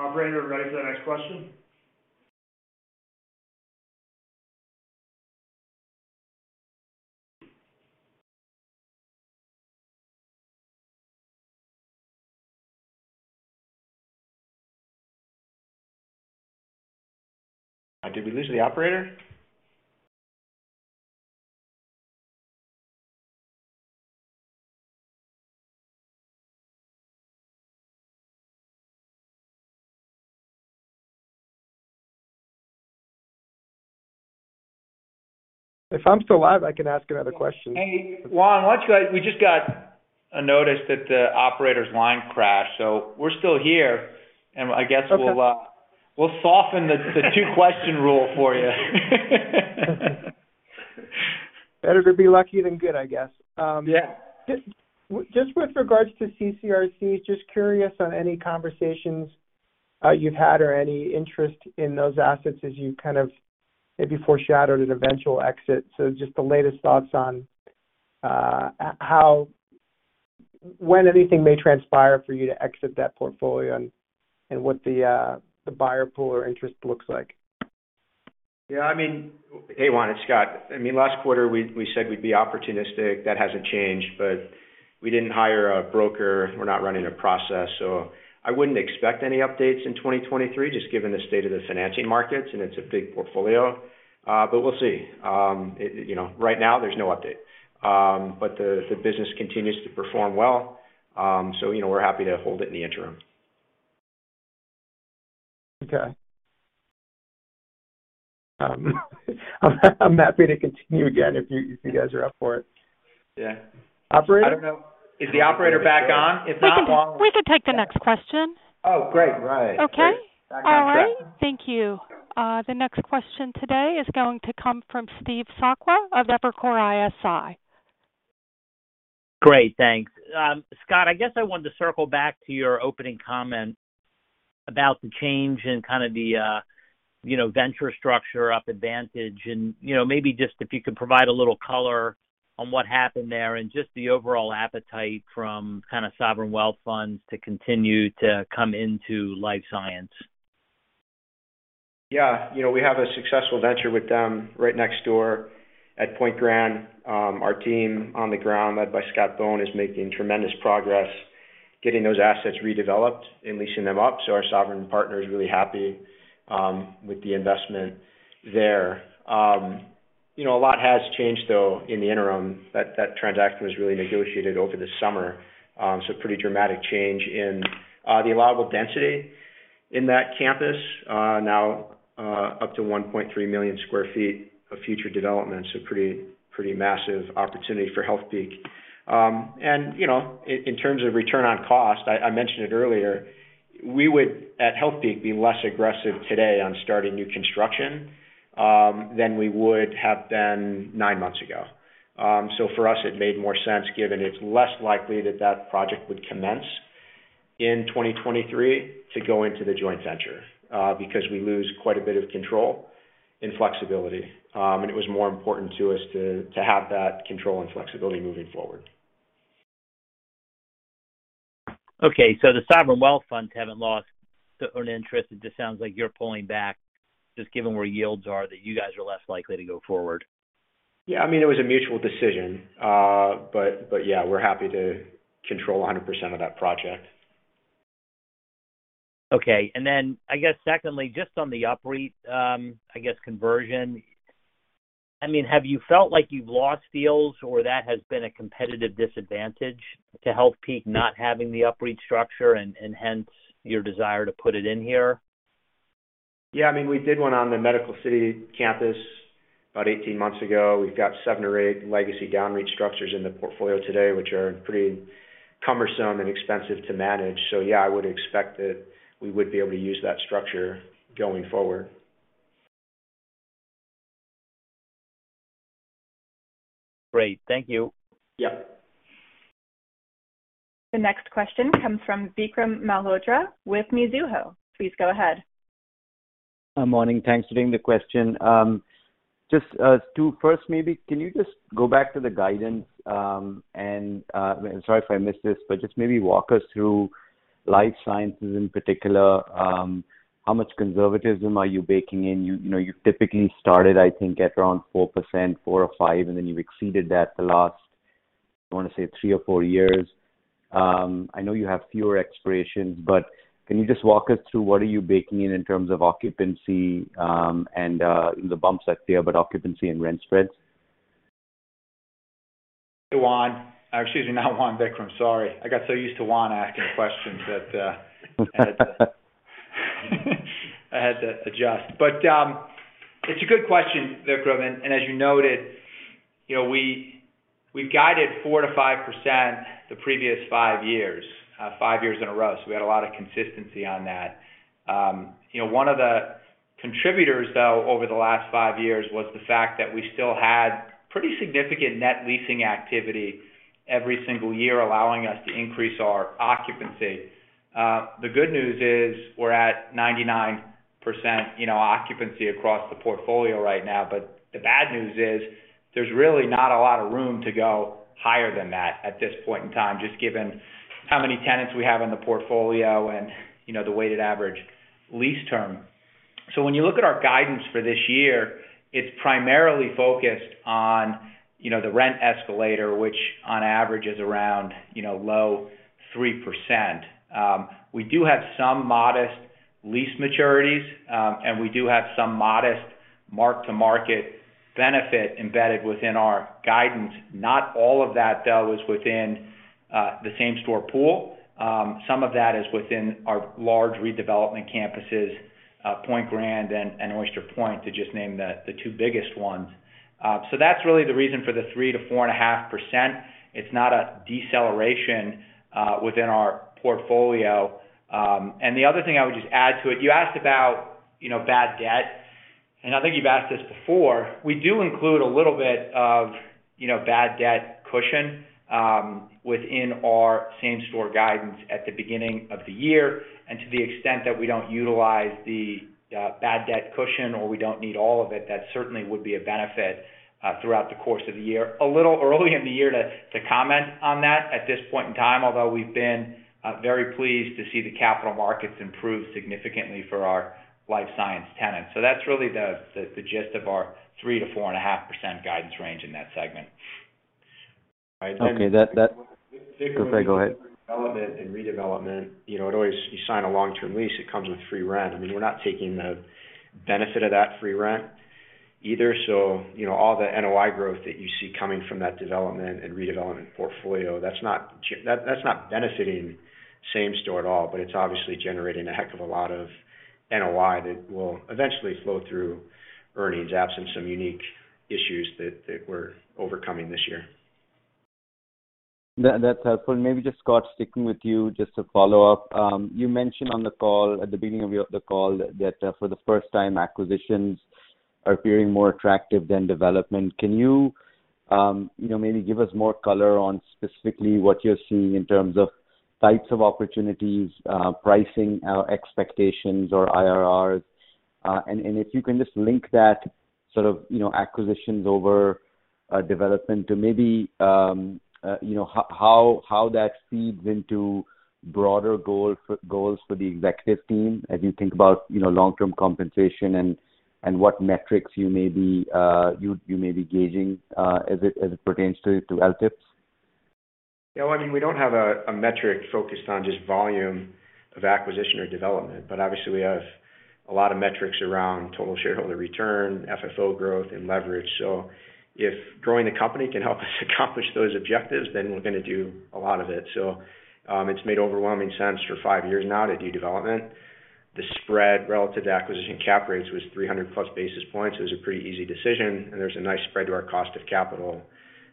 Yeah. Operator, ready for the next question. Did we lose the operator? If I'm still live, I can ask another question. Hey, Juan, why don't you go ahead. We just got a notice that the operator's line crashed. We're still here. Okay. We'll soften the two-question rule for you. Better to be lucky than good, I guess. Yeah. Just with regards to CCRC, just curious on any conversations you've had or any interest in those assets as you kind of maybe foreshadowed an eventual exit. Just the latest thoughts on when anything may transpire for you to exit that portfolio and what the buyer pool or interest looks like? Yeah, I mean. Hey, Juan, it's Scott. I mean, last quarter we said we'd be opportunistic. That hasn't changed. We didn't hire a broker. We're not running a process. I wouldn't expect any updates in 2023, just given the state of the financing markets, and it's a big portfolio. We'll see. You know, right now there's no update. The business continues to perform well. You know, we're happy to hold it in the interim. Okay. I'm happy to continue again if you guys are up for it. Yeah. Operator? I don't know. Is the operator back on? If not, Juan— We can take the next question. Oh, great. Right. Okay? All right. Thank you. The next question today is going to come from Steve Sakwa of Evercore ISI. Great. Thanks. Scott, I guess I wanted to circle back to your opening comment about the change in kind of the venture structure up Vantage. You know, maybe just if you could provide a little color on what happened there and just the overall appetite from kind of sovereign wealth funds to continue to come into Life Science. You know, we have a successful venture with them right next door at Pointe Grand. Our team on the ground, led by Scott Bohn, is making tremendous progress getting those assets redeveloped and leasing them up. Our sovereign partner is really happy with the investment there. You know, a lot has changed, though, in the interim. That transaction was really negotiated over the summer. Pretty dramatic change in the allowable density in that campus now up to 1.3 million sq ft of future development. Pretty, pretty massive opportunity for Healthpeak. You know, in terms of return on cost, I mentioned it earlier, we would, at Healthpeak, be less aggressive today on starting new construction than we would have been nine months ago. For us, it made more sense, given it's less likely that that project would commence in 2023 to go into the joint venture, because we lose quite a bit of control and flexibility. It was more important to us to have that control and flexibility moving forward. Okay. The sovereign wealth funds haven't lost certain interest. It just sounds like you're pulling back just given where yields are that you guys are less likely to go forward. Yeah. I mean, it was a mutual decision. Yeah, we're happy to control 100% of that project. Okay. I guess secondly, just on the operating, I guess conversion, I mean, have you felt like you've lost deals or that has been a competitive disadvantage to Healthpeak not having the operating structure and hence your desire to put it in here? Yeah. I mean, we did one on the Medical City campus about 18 months ago. We've got seven or eight legacy DownREIT structures in the portfolio today, which are pretty cumbersome and expensive to manage. Yeah, I would expect that we would be able to use that structure going forward. Great. Thank you. Yeah. The next question comes from Vikram Malhotra with Mizuho. Please go ahead. Morning. Thanks for taking the question. First maybe can you just go back to the guidance, and sorry if I missed this, but just maybe walk us through Life Sciences in particular, how much conservatism are you baking in? You know, you typically started, I think at around 4%, 4% or 5%, and then you've exceeded that the last, I want to say three or four years. I know you have fewer expirations, but can you just walk us through what are you baking in terms of occupancy, and the bumps out there, but occupancy and rent spreads? Juan. Or excuse me, not Juan, Vikram. Sorry. I got so used to Juan asking questions that I had to adjust. It's a good question, Vikram. As you noted, you know, we've guided 4%-5% the previous five years, five years in a row. We had a lot of consistency on that. You know, one of the contributors, though, over the last five years was the fact that we still had pretty significant net leasing activity every single year, allowing us to increase our occupancy. The good news is we're at 99%, you know, occupancy across the portfolio right now. The bad news is there's really not a lot of room to go higher than that at this point in time, just given how many tenants we have in the portfolio and, you know, the weighted average lease term. When you look at our guidance for this year, it's primarily focused on, you know, the rent escalator, which on average is around, you know, low 3%. We do have some modest lease maturities, and we do have some modest mark-to-market benefit embedded within our guidance. Not all of that, though, is within the same store pool. Some of that is within our large redevelopment campuses, Pointe Grand and Oyster Point, to just name the two biggest ones. That's really the reason for the 3%-4.5%. It's not a deceleration within our portfolio. The other thing I would just add to it, you asked about, you know, bad debt, and I think you've asked this before. We do include a little bit of, you know, bad debt cushion within our same store guidance at the beginning of the year. To the extent that we don't utilize the bad debt cushion or we don't need all of it, that certainly would be a benefit throughout the course of the year. A little early in the year to comment on that at this point in time, although we've been very pleased to see the capital markets improve significantly for our Life Science tenants. That's really the gist of our 3%-4.5% guidance range in that segment. Okay. That. Vikram— I'm sorry. Go ahead. Development and redevelopment, you know, you sign a long-term lease, it comes with free rent. I mean, we're not taking the benefit of that free rent either. you know, all the NOI growth that you see coming from that development and redevelopment portfolio, that's not benefiting same store at all, but it's obviously generating a heck of a lot of NOI that will eventually flow through earnings, absent some unique issues that we're overcoming this year. That's helpful. Maybe just Scott, sticking with you, just to follow up. You mentioned at the beginning of your call that for the first time, acquisitions are appearing more attractive than development. Can you know, maybe give us more color on specifically what you're seeing in terms of types of opportunities, pricing, expectations or IRRs? And if you can just link that sort of, you know, acquisitions over development to maybe, you know, how that feeds into broader goals for the executive team as you think about, you know, long-term compensation and what metrics you may be gauging as it pertains to LTIPs. No, I mean, we don't have a metric focused on just volume of acquisition or development, but obviously we have a lot of metrics around total shareholder return, FFO growth, and leverage. If growing the company can help us accomplish those objectives, then we're gonna do a lot of it. It's made overwhelming sense for five years now to do development. The spread relative to acquisition cap rates was 300+ basis points. It was a pretty easy decision, and there's a nice spread to our cost of capital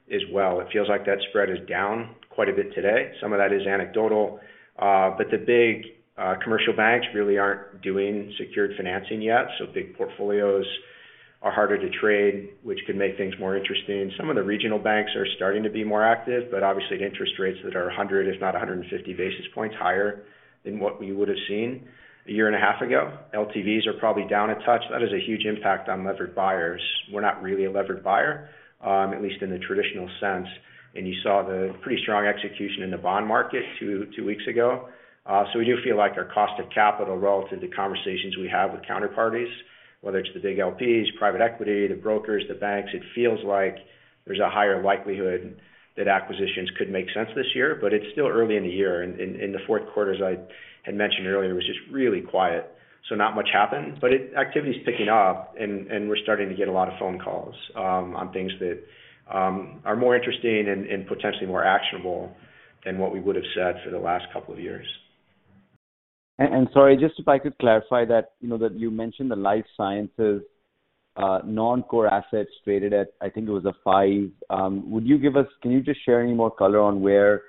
as well. It feels like that spread is down quite a bit today. Some of that is anecdotal, but the big, commercial banks really aren't doing secured financing yet, so big portfolios are harder to trade, which could make things more interesting. Some of the regional banks are starting to be more active, but obviously at interest rates that are 100, if not 150 basis points higher than what we would've seen a year and a half ago. LTVs are probably down a touch. That is a huge impact on levered buyers. We're not really a levered buyer, at least in the traditional sense. You saw the pretty strong execution in the bond market two weeks ago. We do feel like our cost of capital relative to conversations we have with counterparties, whether it's the big LPs, private equity, the brokers, the banks, it feels like there's a higher likelihood that acquisitions could make sense this year, but it's still early in the year. In the fourth quarter, as I had mentioned earlier, it was just really quiet, so not much happened. Activity is picking up and we're starting to get a lot of phone calls on things that are more interesting and potentially more actionable than what we would've said for the last couple of years. Sorry, just if I could clarify that, you know, that you mentioned the Life Sciences non-core assets traded at, I think it was a 5. Can you just share any more color on where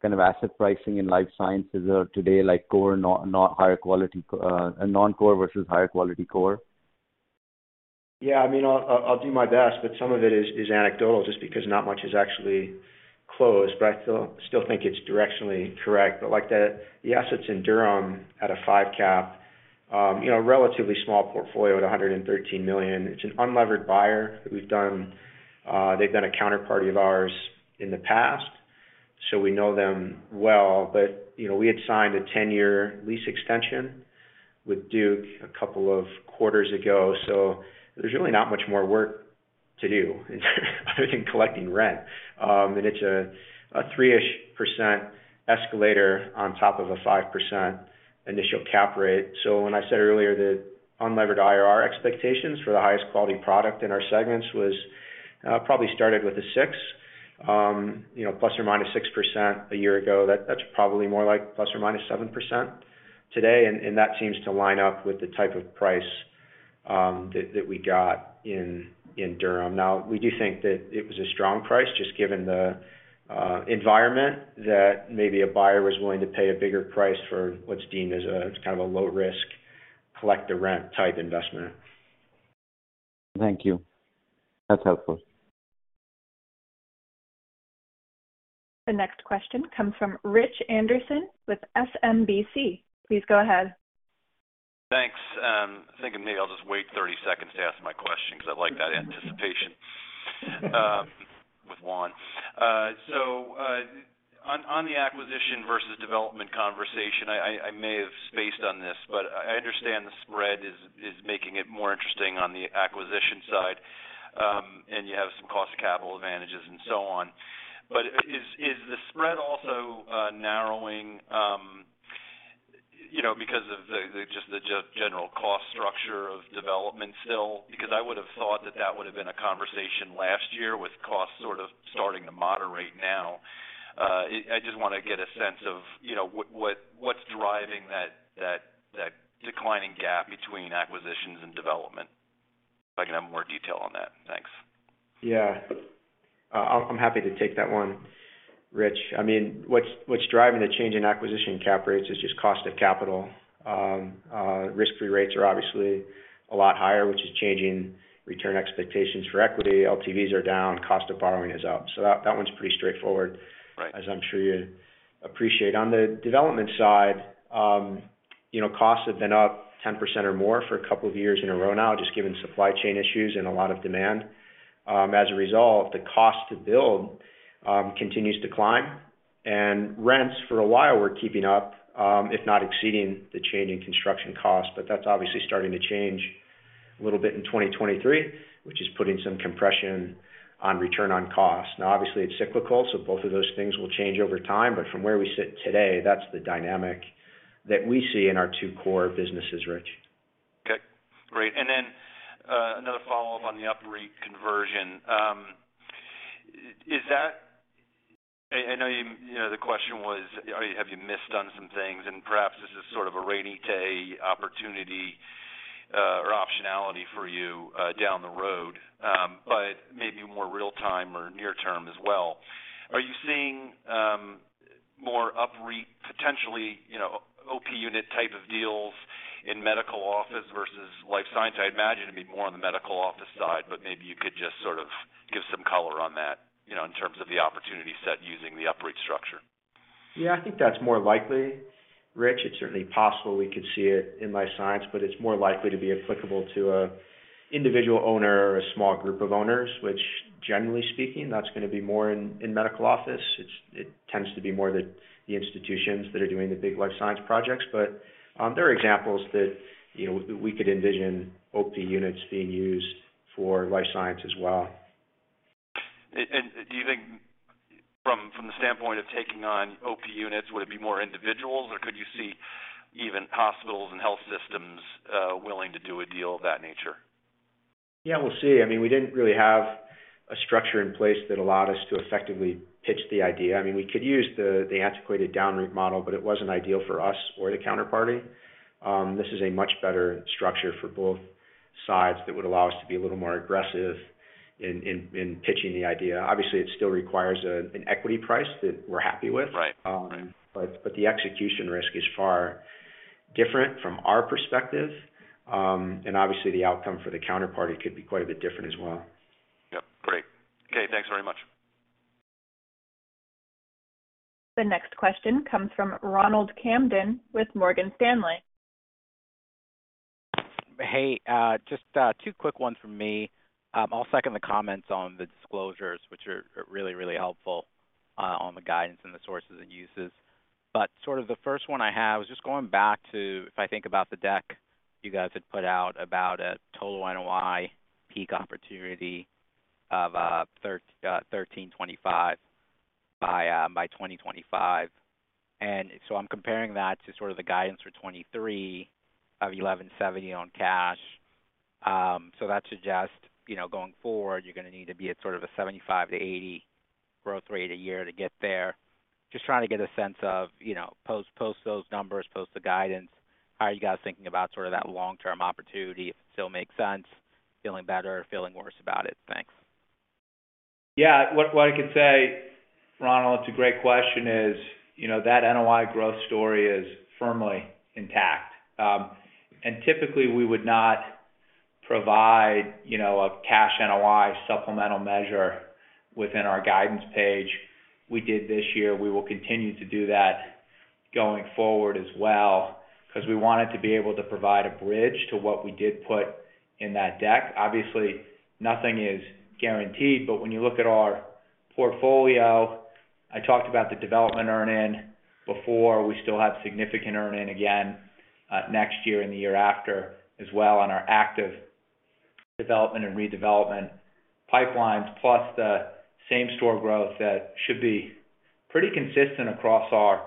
kind of asset pricing in Life Sciences are today, like core, not higher quality non-core versus higher quality core? Yeah. I mean, I'll do my best, but some of it is anecdotal just because not much has actually closed, but I still think it's directionally correct. Like the assets in Durham at a 5% cap, you know, relatively small portfolio at $113 million. It's an unlevered buyer. They've been a counterparty of ours in the past, so we know them well. You know, we had signed a 10-year lease extension with Duke a couple of quarters ago, so there's really not much more work to do other than collecting rent. And it's a 3-ish percent escalator on top of a 5% initial cap rate. When I said earlier the unlevered IRR expectations for the highest quality product in our segments was probably started with a 6%. You know, ±6% a year ago, that's probably more like ±7% today, and that seems to line up with the type of price that we got in Durham. Now, we do think that it was a strong price, just given the environment that maybe a buyer was willing to pay a bigger price for what's deemed as a kind of a low risk collect-the-rent type investment. Thank you. That's helpful. The next question comes from Rich Anderson with SMBC. Please go ahead. Thanks. Thinking maybe I'll just wait 30-seconds to ask my question because I like that anticipation, with Juan. On the acquisition versus development conversation, I may have spaced on this, but I understand the spread is making it more interesting on the acquisition side, and you have some cost of capital advantages and so on. Is the spread also narrowing, you know, because of the general cost structure of development still? Because I would have thought that that would have been a conversation last year with costs sort of starting to moderate now. I just wanna get a sense of, you know, what's driving that declining gap between acquisitions and development. If I can have more detail on that. Thanks. Yeah. I'm happy to take that one, Rich. I mean, what's driving the change in acquisition cap rates is just cost of capital. Risk-free rates are obviously a lot higher, which is changing return expectations for equity. LTVs are down, cost of borrowing is up. That one's pretty straightforward— Right. —as I'm sure you appreciate. On the development side, you know, costs have been up 10% or more for a couple of years in a row now, just given supply chain issues and a lot of demand. As a result, the cost to build continues to climb. Rents for a while were keeping up, if not exceeding the change in construction costs, but that's obviously starting to change a little bit in 2023, which is putting some compression on return on cost. Now obviously it's cyclical, so both of those things will change over time, but from where we sit today, that's the dynamic that we see in our two core businesses, Rich. Okay, great. Another follow-up on the UPREIT conversion. I know you know, the question was, have you missed on some things? Perhaps this is sort of a rainy day opportunity or optionality for you down the road? More real time or near term as well. Are you seeing more UPREIT potentially, you know, OP unit type of deals in medical office versus Life Science? I imagine it'd be more on the medical office side, but maybe you could just sort of give some color on that, you know, in terms of the opportunity set using the UPREIT structure. Yeah, I think that's more likely, Rich. It's certainly possible we could see it in Life Science, but it's more likely to be applicable to a individual owner or a small group of owners, which generally speaking, that's gonna be more in medical office. It tends to be more the institutions that are doing the big Life Science projects. There are examples that, you know, we could envision OP units being used for Life Science as well. Do you think from the standpoint of taking on OP units, would it be more individuals, or could you see even hospitals and health systems willing to do a deal of that nature? Yeah, we'll see. I mean, we didn't really have a structure in place that allowed us to effectively pitch the idea. I mean, we could use the antiquated DownREIT model, but it wasn't ideal for us or the counterparty. This is a much better structure for both sides that would allow us to be a little more aggressive in pitching the idea. Obviously, it still requires an equity price that we're happy with. Right. The execution risk is far different from our perspective, and obviously the outcome for the counterparty could be quite a bit different as well. Yep. Great. Okay, thanks very much. The next question comes from Ronald Kamdem with Morgan Stanley. Hey, just two quick ones from me. I'll second the comments on the disclosures, which are really, really helpful on the guidance and the sources and uses. Sort of the first one I have is just going back to, if I think about the deck you guys had put out about a total NOI peak opportunity of $1,325 by 2025. I'm comparing that to sort of the guidance for 2023 of $1,170 on cash. That suggests, you know, going forward, you're gonna need to be at sort of a 75%-80% growth rate a year to get there. Just trying to get a sense of, you know, post those numbers, post the guidance, how are you guys thinking about sort of that long-term opportunity? If it still makes sense, feeling better or feeling worse about it? Thanks. Yeah. What I can say, Ronald, it's a great question, is, you know, that NOI growth story is firmly intact. Typically we would not provide, you know, a cash NOI supplemental measure within our guidance page. We did this year. We will continue to do that going forward as well, 'cause we wanted to be able to provide a bridge to what we did put in that deck. Obviously, nothing is guaranteed. When you look at our portfolio, I talked about the development earn in before. We still have significant earn in again next year and the year after as well on our active development and redevelopment pipelines, plus the same-store growth that should be pretty consistent across our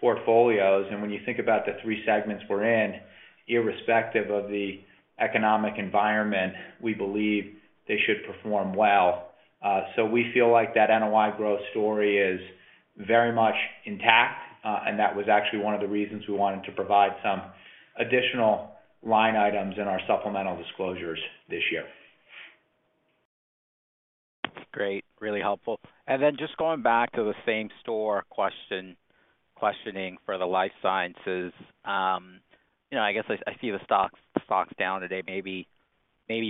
portfolios. When you think about the three segments we're in, irrespective of the economic environment, we believe they should perform well. We feel like that NOI growth story is very much intact. That was actually one of the reasons we wanted to provide some additional line items in our supplemental disclosures this year. Great. Really helpful. Just going back to the same-store question, questioning for the Life Sciences. You know, I guess I see the stock's down today. Maybe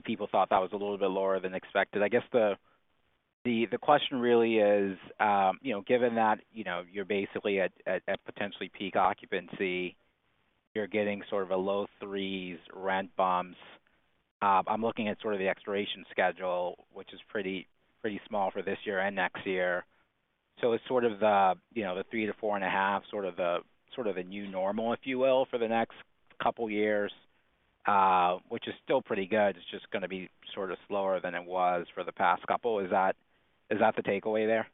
people thought that was a little bit lower than expected. I guess the question really is, you know, given that, you know, you're basically at potentially peak occupancy, you're getting sort of a low-threes rent bumps. I'm looking at sort of the expiration schedule, which is pretty small for this year and next year. It's sort of the, you know, the 3%-4.5%, sort of a new normal, if you will, for the next couple years, which is still pretty good. It's just gonna be sort of slower than it was for the past couple is that the takeaway there?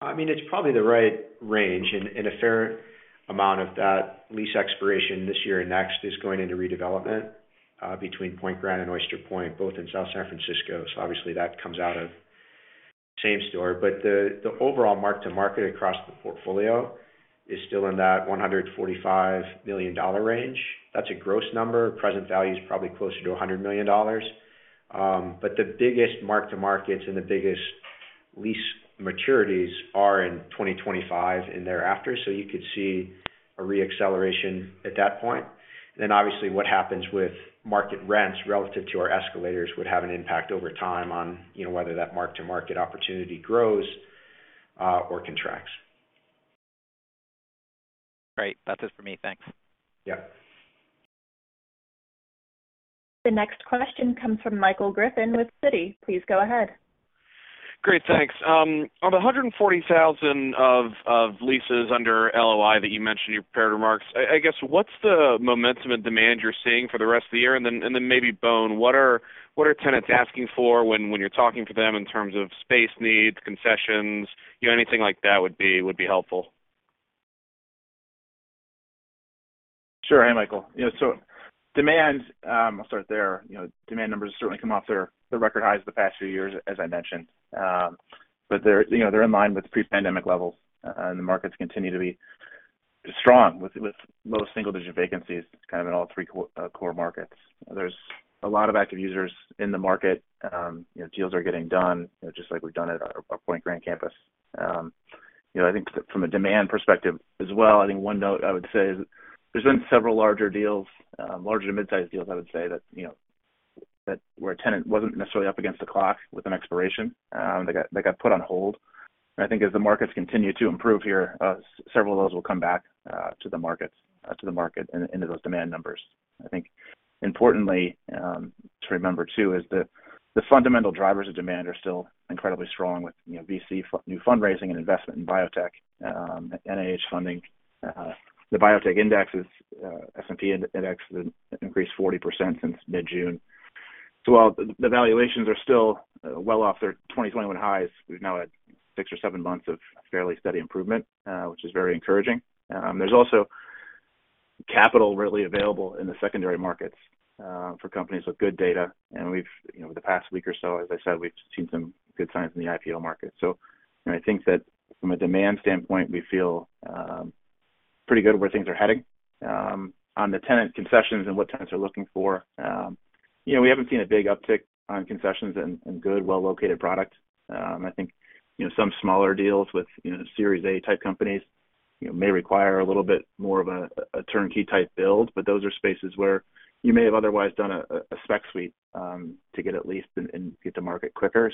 I mean, it's probably the right range. A fair amount of that lease expiration this year and next is going into redevelopment, between Pointe Grand and Oyster Point, both in South San Francisco. Obviously that comes out of same store. The overall mark to market across the portfolio is still in that $145 million range. That's a gross number. Present value is probably closer to $100 million. The biggest mark to markets and the biggest lease maturities are in 2025 and thereafter. You could see a re-acceleration at that point. Obviously what happens with market rents relative to our escalators would have an impact over time on, you know, whether that mark to market opportunity grows or contracts. Great. That's it for me. Thanks. Yeah. The next question comes from Michael Griffin with Citi. Please go ahead. Great. Thanks. On the 140,000 of leases under LOI that you mentioned in your prepared remarks, I guess what's the momentum and demand you're seeing for the rest of the year? Then maybe Bohn, what are tenants asking for when you're talking to them in terms of space needs, concessions? You know, anything like that would be helpful. Sure. Hey, Michael. Yeah. Demand, I'll start there. You know, demand numbers have certainly come off their record highs the past few years, as I mentioned. They're, you know, they're in line with pre-pandemic levels, the markets continue to be strong with low single-digit vacancies kind of in all three core markets. There's a lot of active users in the market. You know, deals are getting done, you know, just like we've done at our Pointe Grand campus. You know, I think from a demand perspective as well, I think one note I would say is there's been several larger deals, larger to mid-sized deals, I would say that, you know, that where a tenant wasn't necessarily up against the clock with an expiration, they got put on hold. I think as the markets continue to improve here, several of those will come back to the markets, to the market and into those demand numbers. I think importantly, to remember too is that the fundamental drivers of demand are still incredibly strong with, you know, VC new fundraising and investment in biotech, NIH funding. The biotech indexes, S&P index increased 40% since mid-June. While the valuations are still well off their 2021 highs, we've now had six or seven months of fairly steady improvement, which is very encouraging. There's also capital readily available in the secondary markets for companies with good data. You know, the past week or so, as I said, we've seen some good signs in the IPO market. You know, I think that from a demand standpoint, we feel pretty good where things are heading. On the tenant concessions and what tenants are looking for, you know, we haven't seen a big uptick on concessions in good, well-located product. I think, you know, some smaller deals with, you know, Series A type companies, you know, may require a little bit more of a turnkey type build, but those are spaces where you may have otherwise done a spec suite to get a lease and get to market quicker.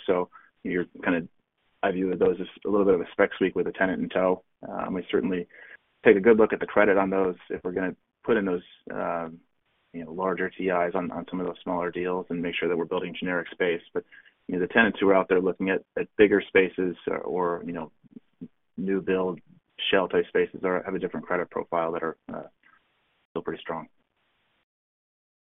I view those as a little bit of a spec suite with a tenant in tow. We certainly take a good look at the credit on those if we're gonna put in those, you know, larger TIs on some of those smaller deals and make sure that we're building generic space. You know, the tenants who are out there looking at bigger spaces or, you know, new build shell type spaces have a different credit profile that are still pretty strong.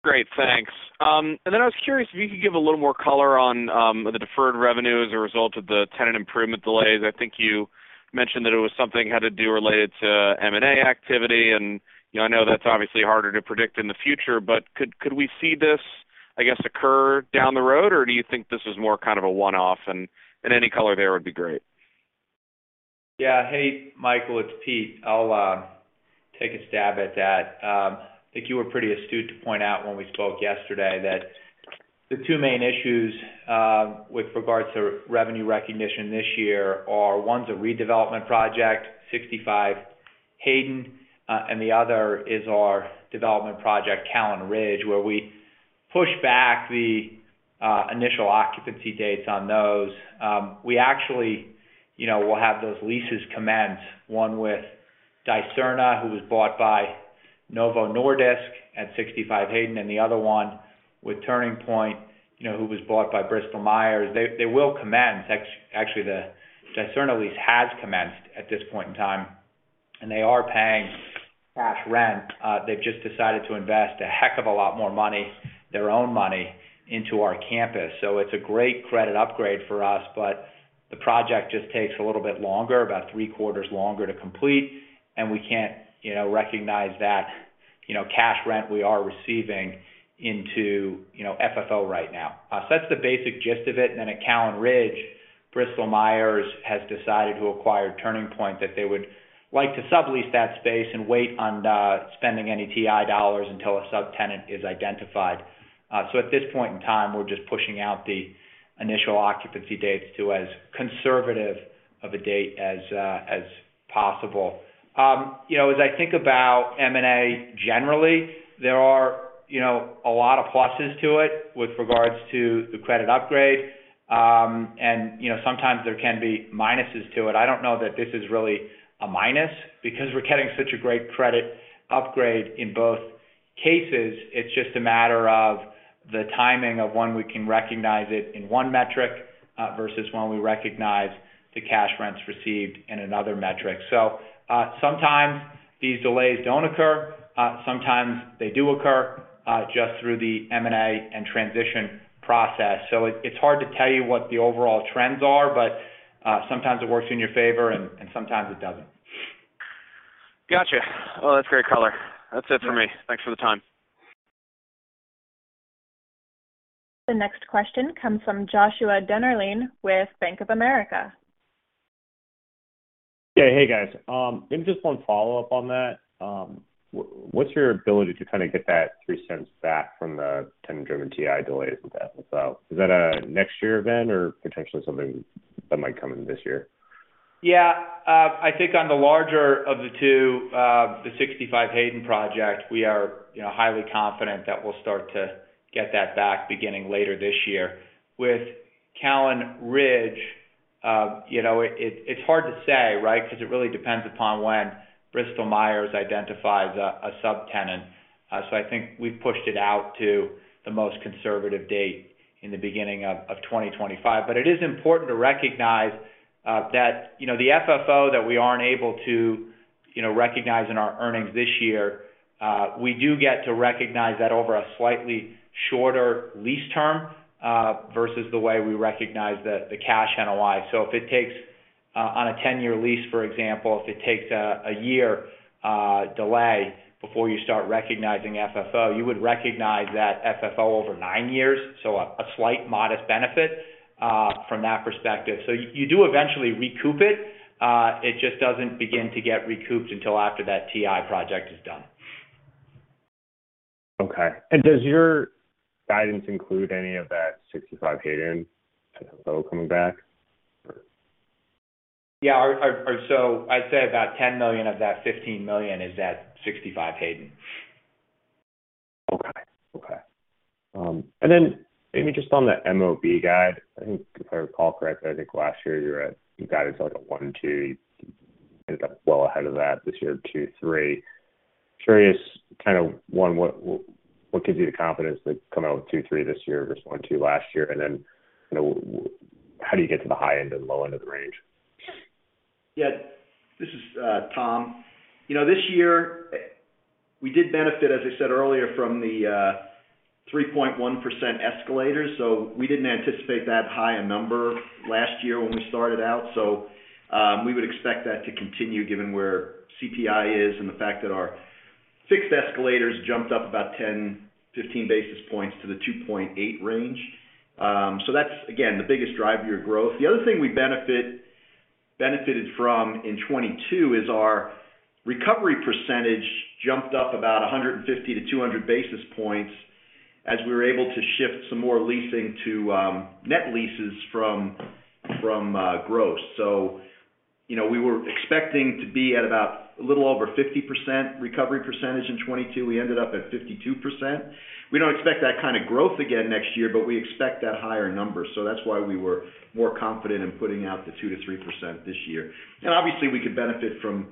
Great. Thanks. I was curious if you could give a little more color on the deferred revenue as a result of the tenant improvement delays. I think you mentioned that it was something had to do related to M&A activity, and, you know, I know that's obviously harder to predict in the future, but could we see this, I guess, occur down the road, or do you think this is more kind of a one-off? Any color there would be great. Yeah. Hey, Michael, it's Pete. I'll take a stab at that. I think you were pretty astute to point out when we spoke yesterday that the two main issues with regards to revenue recognition this year are, one's a redevelopment project, 65 Hayden, and the other is our development project, Callan Ridge, where we pushed back the initial occupancy dates on those. We actually, you know, will have those leases commence, one with Dicerna, who was bought by Novo Nordisk at 65 Hayden, and the other one with Turning Point, you know, who was bought by Bristol-Myers. They will commence. Actually, the Dicerna lease has commenced at this point in time, and they are paying cash rent. They've just decided to invest a heck of a lot more money, their own money, into our campus. It's a great credit upgrade for us, but the project just takes a little bit longer, about three quarters longer to complete, and we can't, you know, recognize that, you know, cash rent we are receiving into, you know, FFO right now. That's the basic gist of it. At Callan Ridge, Bristol-Myers has decided to acquire Turning Point, that they would like to sublease that space and wait on spending any TI dollars until a subtenant is identified. At this point in time, we're just pushing out the initial occupancy dates to as conservative of a date as possible. You know, as I think about M&A generally, there are, you know, a lot of pluses to it with regards to the credit upgrade. Sometimes there can be minuses to it. I don't know that this is really a minus. We're getting such a great credit upgrade in both cases, it's just a matter of the timing of when we can recognize it in one metric, versus when we recognize the cash rents received in another metric. Sometimes these delays don't occur, sometimes they do occur, just through the M&A and transition process. It, it's hard to tell you what the overall trends are, but, sometimes it works in your favor and sometimes it doesn't. Gotcha. Well, that's great color. That's it for me. Thanks for the time. The next question comes from Joshua Dennerlein with Bank of America. Yeah. Hey, guys. Maybe just one follow-up on that, what's your ability to kind of get that $0.03 back from the tenant-driven TI delays with FFO? Is that a next year event or potentially something that might come in this year? I think on the larger of the two, the 65 Hayden project, we are, you know, highly confident that we'll start to get that back beginning later this year. With Callan Ridge, you know, it's hard to say, right? Because it really depends upon when Bristol-Myers identifies a subtenant. I think we've pushed it out to the most conservative date in the beginning of 2025. It is important to recognize that, you know, the FFO that we aren't able to, you know, recognize in our earnings this year, we do get to recognize that over a slightly shorter lease term versus the way we recognize the cash NOI. If it takes, on a 10-year lease, for example, if it takes a one-year delay before you start recognizing FFO. You would recognize that FFO over nine years, a slight modest benefit from that perspective. You do eventually recoup it just doesn't begin to get recouped until after that TI project is done. Okay. Does your guidance include any of that 65 Hayden FFO coming back or? Yeah. I'd say about $10 million of that $15 million is at 65 Hayden. Okay. Okay. Maybe just on the MOB guide. I think if I recall correctly, I think last year you guided sort of 1%-2%. You ended up well ahead of that. This year, 2%-3%. Curious kind of, one, what gives you the confidence to come out with 2%-3% this year versus 1%-2% last year? Then, you know, how do you get to the high end and low end of the range? This is Tom. You know, this year we did benefit, as I said earlier, from the 3.1% escalators. We didn't anticipate that high a number last year when we started out. We would expect that to continue given where CPI is and the fact that our fixed escalators jumped up about 10 to 15 basis points to the 2.8% range. That's again, the biggest driver of your growth. The other thing we benefited from in 2022 is our recovery percentage jumped up about 150-200 basis points as we were able to shift some more leasing to net leases from gross. You know, we were expecting to be at about a little over 50% recovery percentage in 2022. We ended up at 52%. We don't expect that kind of growth again next year, but we expect that higher number. That's why we were more confident in putting out the 2%-3% this year. Obviously, we could benefit from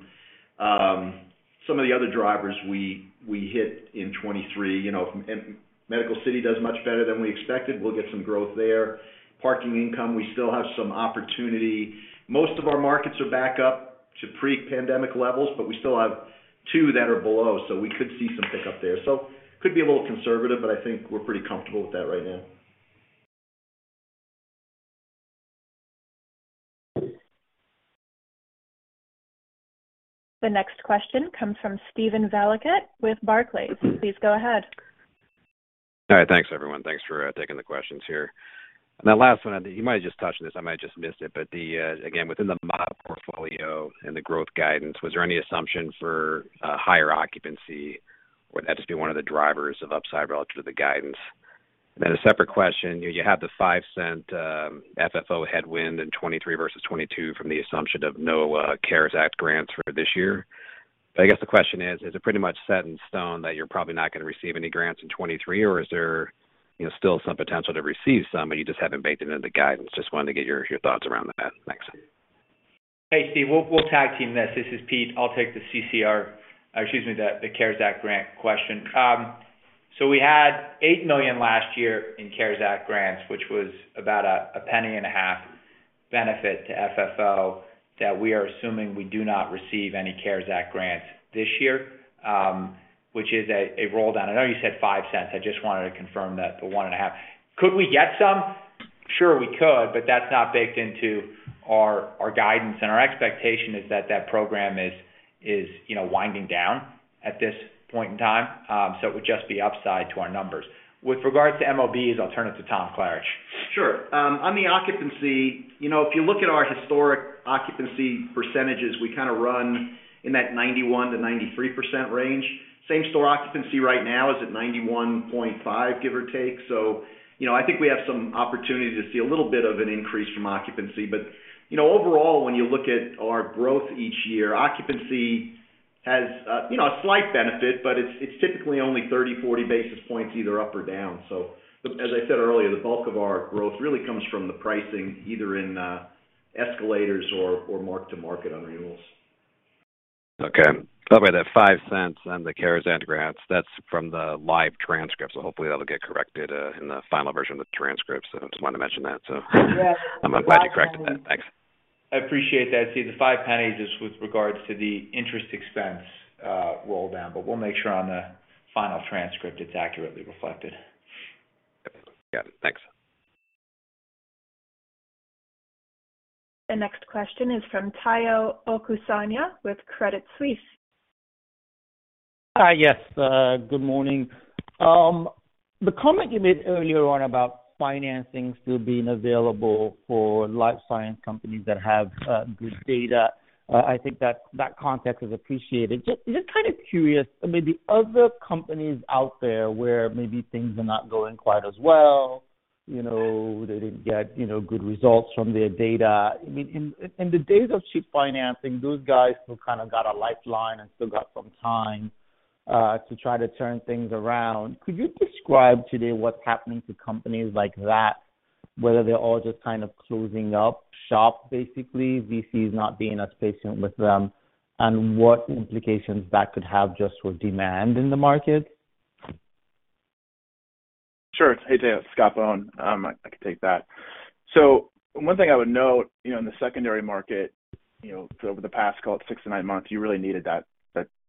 some of the other drivers we hit in 2023. You know, if Medical City does much better than we expected, we'll get some growth there. Parking income, we still have some opportunity. Most of our markets are back up to pre-pandemic levels, but we still have two that are below, so we could see some pick up there. Could be a little conservative, but I think we're pretty comfortable with that right now. The next question comes from Anthony Powell with Barclays. Please go ahead. All right. Thanks, everyone. Thanks for taking the questions here. That last one, you might have just touched on this, I might have just missed it. The again, within the MOB portfolio and the growth guidance, was there any assumption for higher occupancy or that just being one of the drivers of upside relative to the guidance? A separate question, you have the $0.05 FFO headwind in 2023 versus 2022 from the assumption of no CARES Act grants for this year. I guess the question is it pretty much set in stone that you're probably not going to receive any grants in 2023, or is there, you know, still some potential to receive some, but you just haven't baked it into the guidance? Just wanted to get your thoughts around that. Thanks. Hey, Steve. We'll tag team this. This is Pete. I'll take the CARES Act grant question. We had $8 million last year in CARES Act grants, which was about a penny and a half benefit to FFO that we are assuming we do not receive any CARES Act grants this year, which is a roll down. I know you said $0.05. I just wanted to confirm the one and a half. Could we get some? Sure, we could, but that's not baked into our guidance. Our expectation is that that program is, you know, winding down at this point in time. It would just be upside to our numbers. With regards to MOBs, I'll turn it to Tom Klaritch. Sure. On the occupancy, you know, if you look at our historic occupancy percentages, we kind of run in that 91%-93% range. Same store occupancy right now is at 91.5%, give or take. You know, I think we have some opportunity to see a little bit of an increase from occupancy. You know, overall, when you look at our growth each year, occupancy has, you know, a slight benefit, but it's typically only 30, 40 basis points either up or down. As I said earlier, the bulk of our growth really comes from the pricing, either in escalators or mark to market on renewals. Okay. By the way, the $0.05 and the CARES Act grants, that's from the live transcript. Hopefully that'll get corrected, in the final version of the transcript. I just wanted to mention that. I'm happy you corrected that. Thanks. I appreciate that. See, the $0.05 is with regards to the interest expense roll down, but we'll make sure on the final transcript it's accurately reflected. Got it. Thanks. The next question is from Tayo Okusanya with Credit Suisse. Hi. Yes, good morning. The comment you made earlier on about financing still being available for Life Science companies that have good data, I think that context is appreciated. Just kind of curious, I mean, the other companies out there where maybe things are not going quite as well, you know, they didn't get, you know, good results from their data. I mean, in the days of cheap financing, those guys who kind of got a lifeline and still got some time to try to turn things around, could you describe today what's happening to companies like that, whether they're all just kind of closing up shop basically, VCs not being as patient with them? And what implications that could have just for demand in the market? Sure. Hey, Tayo, it's Scott Bohn. I can take that. One thing I would note, you know, in the secondary market, you know, over the past, call it six to nine months, you really needed that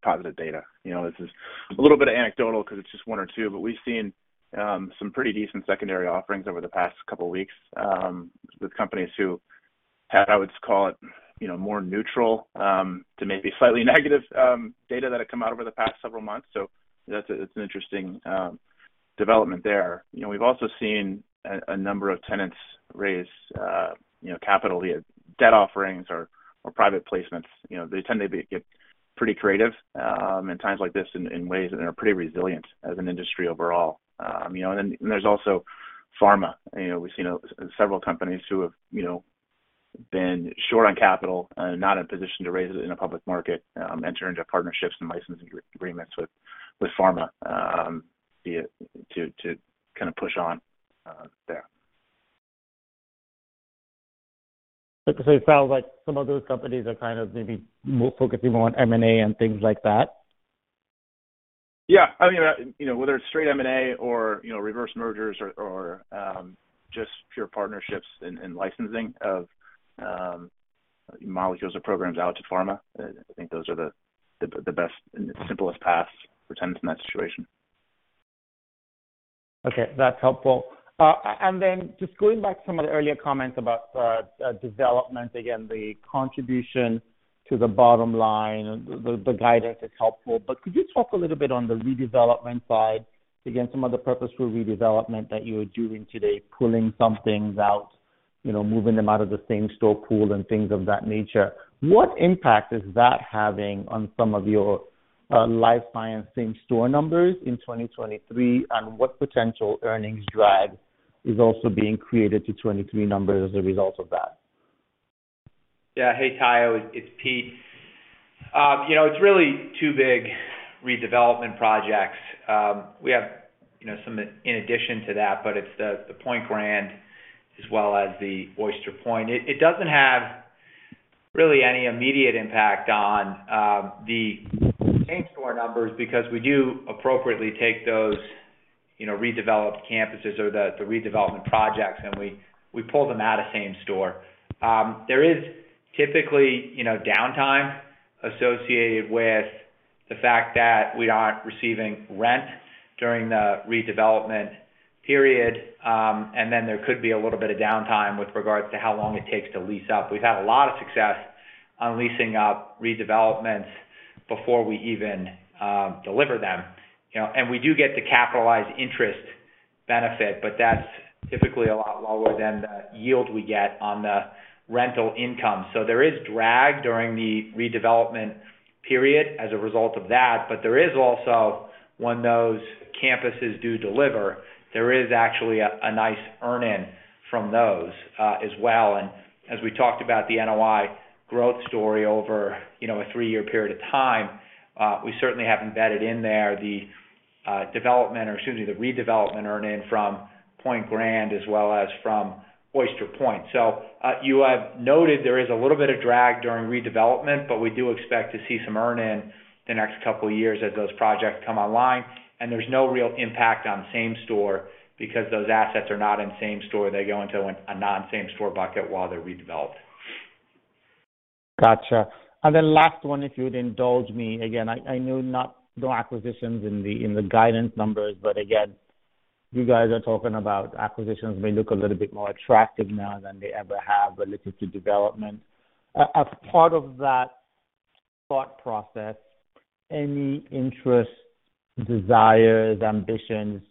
positive data. You know, this is a little bit anecdotal because it's just one or two, but we've seen some pretty decent secondary offerings over the past couple weeks with companies who had, I would call it, you know, more neutral to maybe slightly negative data that had come out over the past several months. That's an interesting development there. You know, we've also seen a number of tenants raise, you know, capital via debt offerings or private placements. You know, they tend to be get pretty creative in times like this in ways, and they're pretty resilient as an industry overall. You know, then there's also pharma. You know, we've seen several companies who have, you know, been short on capital and not in a position to raise it in a public market, enter into partnerships and licensing agreements with pharma via to kind of push on there. Okay. It sounds like some of those companies are kind of maybe more focusing on M&A and things like that. Yeah. I mean, you know, whether it's straight M&A or, you know, reverse mergers or just pure partnerships and licensing of molecules or programs out to pharma, I think those are the best and simplest paths for tenants in that situation. Okay, that's helpful. Then just going back to some of the earlier comments about development. Again, the contribution to the bottom line, the guidance is helpful. Could you talk a little bit on the redevelopment side, again, some of the purposeful redevelopment that you are doing today, pulling some things out, you know, moving them out of the same-store pool and things of that nature. What impact is that having on some of your Life Science same-store numbers in 2023? What potential earnings drag is also being created to 2023 numbers as a result of that? Yeah. Hey, Tayo. It's Pete. you know, it's really two big redevelopment projects. we have, you know, some in addition to that, but it's the Pointe Grand as well as the Oyster Point. It doesn't have really any immediate impact on, the same-store numbers because we do appropriately take those, you know, redeveloped campuses or the redevelopment projects, and we pull them out of same store. there is typically, you know, downtime associated with the fact that we aren't receiving rent during the redevelopment period, and then there could be a little bit of downtime with regards to how long it takes to lease up. We've had a lot of success on leasing up redevelopments before we even deliver them, you know. We do get to capitalize interest benefit, but that's typically a lot lower than the yield we get on the rental income. There is drag during the redevelopment period as a result of that. There is also, when those campuses do deliver, there is actually a nice earn-in from those as well. As we talked about the NOI growth story over, you know, a three-year period of time, we certainly have embedded in there the development or excuse me, the redevelopment earn-in from Pointe Grand as well as from Oyster Point. You have noted there is a little bit of drag during redevelopment, but we do expect to see some earn-in the next couple of years as those projects come online. There's no real impact on same store because those assets are not in same store. They go into a non-same store bucket while they're redeveloped. Gotcha. Last one, if you'd indulge me. Again, I know no acquisitions in the guidance numbers, but again, you guys are talking about acquisitions may look a little bit more attractive now than they ever have relative to development. As part of that thought process, any interest, desires, ambitions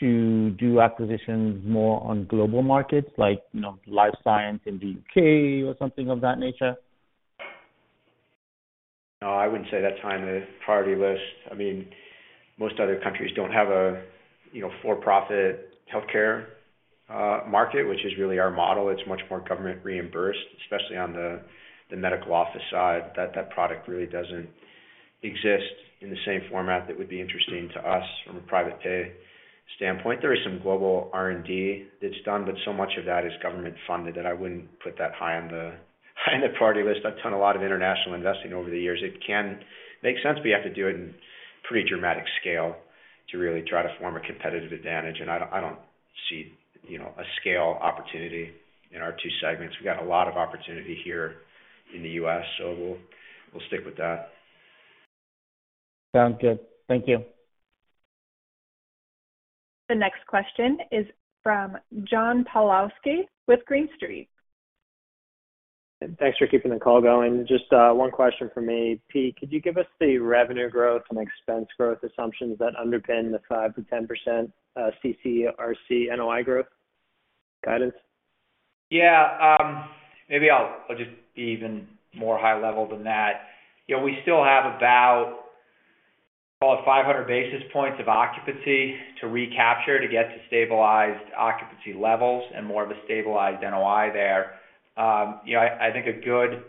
to do acquisitions more on global markets like, you know, Life Science in the U.K. or something of that nature? No, I wouldn't say that's high on the priority list. I mean, most other countries don't have a, you know, for-profit healthcare market, which is really our model. It's much more government reimbursed, especially on the medical office side. That product really doesn't exist in the same format that would be interesting to us from a private pay standpoint. There is some global R&D that's done, but so much of that is government funded that I wouldn't put that high on the priority list. I've done a lot of international investing over the years. It can make sense, but you have to do it in pretty dramatic scale to really try to form a competitive advantage. I don't see, you know, a scale opportunity in our two segments. We got a lot of opportunity here in the U.S. We'll stick with that. Sounds good. Thank you. The next question is from John Pawlowski with Green Street. Thanks for keeping the call going. Just one question from me. Pete, could you give us the revenue growth and expense growth assumptions that underpin the 5%-10% CCRC NOI growth guidance? Yeah. Maybe I'll just be even more high level than that. You know, we still have about 500 basis points of occupancy to recapture to get to stabilized occupancy levels and more of a stabilized NOI there. You know, I think a good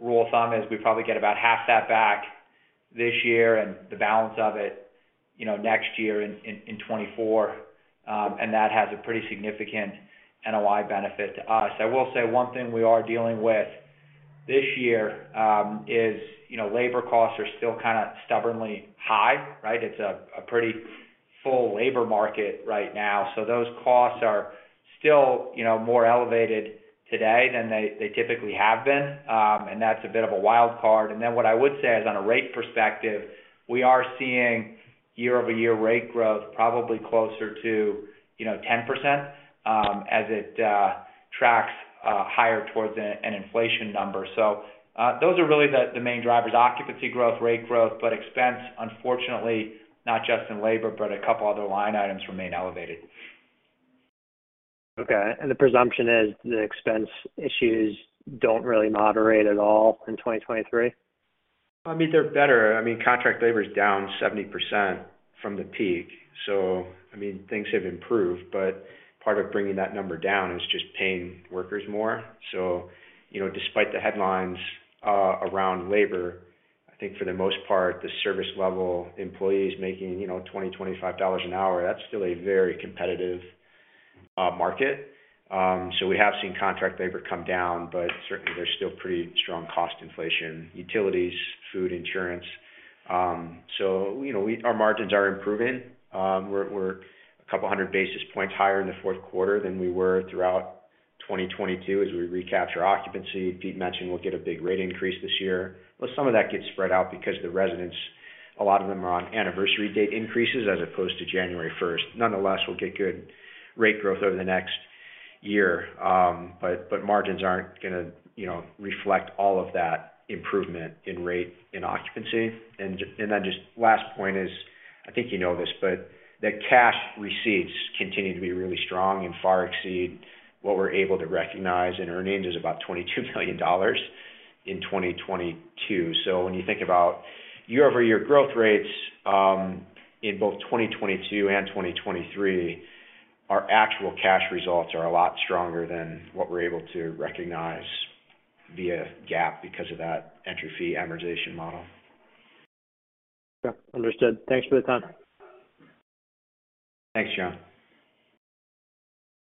rule of thumb is we probably get about half that back this year and the balance of it, you know, next year in 2024. That has a pretty significant NOI benefit to us. I will say one thing we are dealing with this year, is, you know, labor costs are still kind of stubbornly high, right? It's a pretty full labor market right now. Those costs are still, you know, more elevated today than they typically have been. That's a bit of a wild card. What I would say is on a rate perspective, we are seeing year-over-year rate growth probably closer to, you know, 10%, as it tracks higher towards an inflation number. Those are really the main drivers. Occupancy growth, rate growth, but expense, unfortunately, not just in labor, but a couple other line items remain elevated. Okay. The presumption is the expense issues don't really moderate at all in 2023? I mean, they're better. I mean, contract labor is down 70% from the peak, so I mean, things have improved, but part of bringing that number down is just paying workers more. You know, despite the headlines around labor, I think for the most part, the service level employees making, you know, $20-$25 an hour, that's still a very competitive market. We have seen contract labor come down, but certainly there's still pretty strong cost inflation, utilities, food, insurance. You know, our margins are improving. We're, we're a couple hundred basis points higher in the fourth quarter than we were throughout 2022 as we recapture occupancy. Pete mentioned we'll get a big rate increase this year. Some of that gets spread out because the residents, a lot of them are on anniversary date increases as opposed to January 1st. Nonetheless, we'll get good rate growth over the next year. But margins aren't gonna, you know, reflect all of that improvement in rate and occupancy. Then just last point is, I think you know this, but the cash receipts continue to be really strong and far exceed what we're able to recognize, and earnings is about $22 million in 2022. When you think about year-over-year growth rates, in both 2022 and 2023, our actual cash results are a lot stronger than what we're able to recognize via GAAP because of that entry fee amortization model. Understood. Thanks for the time. Thanks, John.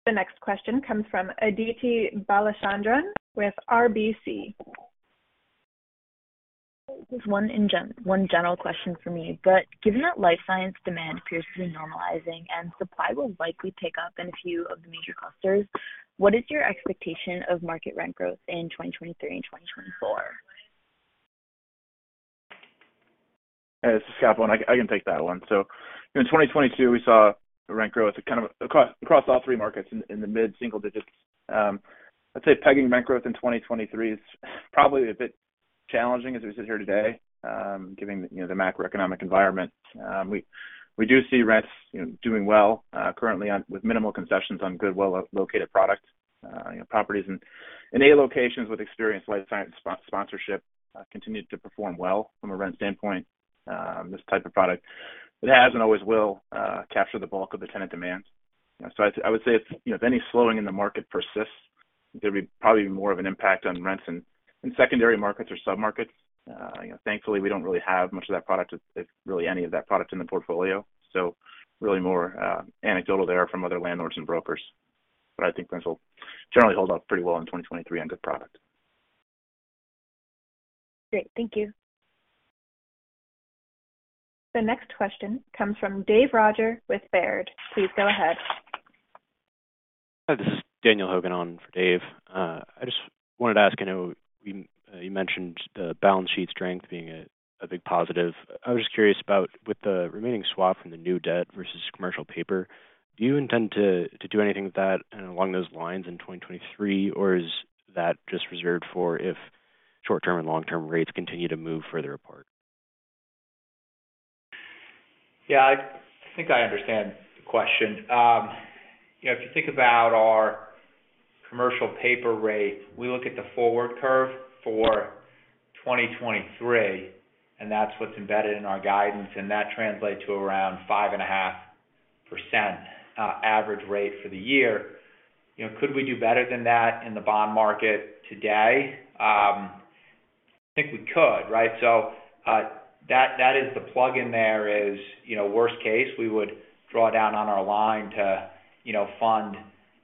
The next question comes from Aditi Balachandran with RBC. Just one general question from me. Given that Life Science demand appears to be normalizing and supply will likely pick up in a few of the major clusters, what is your expectation of market rent growth in 2023 and 2024? This is Scott Bohn. I can take that one. In 2022, we saw the rent growth kind of across all three markets in the mid-single digits. Let's say pegging rent growth in 2023 is probably a bit challenging as we sit here today, given, you know, the macroeconomic environment. We, we do see rents, you know, doing well, currently on with minimal concessions on good, well-located products. Properties in A locations with experienced Life Science sponsorship, continue to perform well from a rent standpoint. This type of product, it has and always will, capture the bulk of the tenant demand. I would say if, you know, if any slowing in the market persists, there'd be probably more of an impact on rents in secondary markets or submarkets. You know, thankfully, we don't really have much of that product, if really any of that product in the portfolio. Really more anecdotal there from other landlords and brokers. I think rents will generally hold up pretty well in 2023 on good product. Great. Thank you. The next question comes from Dave Rodgers with Baird. Please go ahead. Hi, this is Daniel Hogan on for Dave. I just wanted to ask, I know we, you mentioned the balance sheet strength being a big positive. I was just curious about with the remaining swap from the new debt versus commercial paper, do you intend to do anything with that along those lines in 2023, or is that just reserved for if short-term and long-term rates continue to move further apart? Yeah. I think I understand the question. You know, if you think about our commercial paper rate, we look at the forward curve for 2023, and that's what's embedded in our guidance, and that translates to around 5.5% average rate for the year. You know, could we do better than that in the bond market today? I think we could, right? That is the plug in there is, you know, worst case, we would draw down on our line to, you know, fund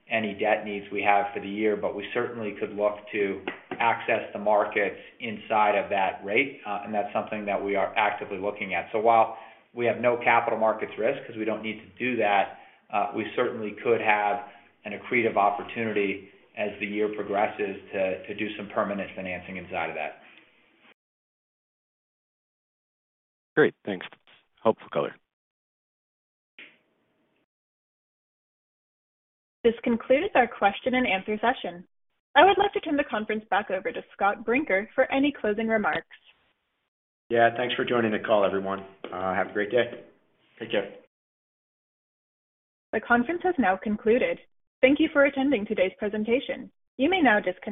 any debt needs we have for the year. We certainly could look to access the markets inside of that rate. That's something that we are actively looking at. While we have no capital markets risk, 'cause we don't need to do that, we certainly could have an accretive opportunity as the year progresses to do some permanent financing inside of that. Great. Thanks. Helpful color. This concludes our question and answer session. I would like to turn the conference back over to Scott Brinker for any closing remarks. Yeah. Thanks for joining the call, everyone. Have a great day. Take care. The conference has now concluded. Thank you for attending today's presentation. You may now disconnect.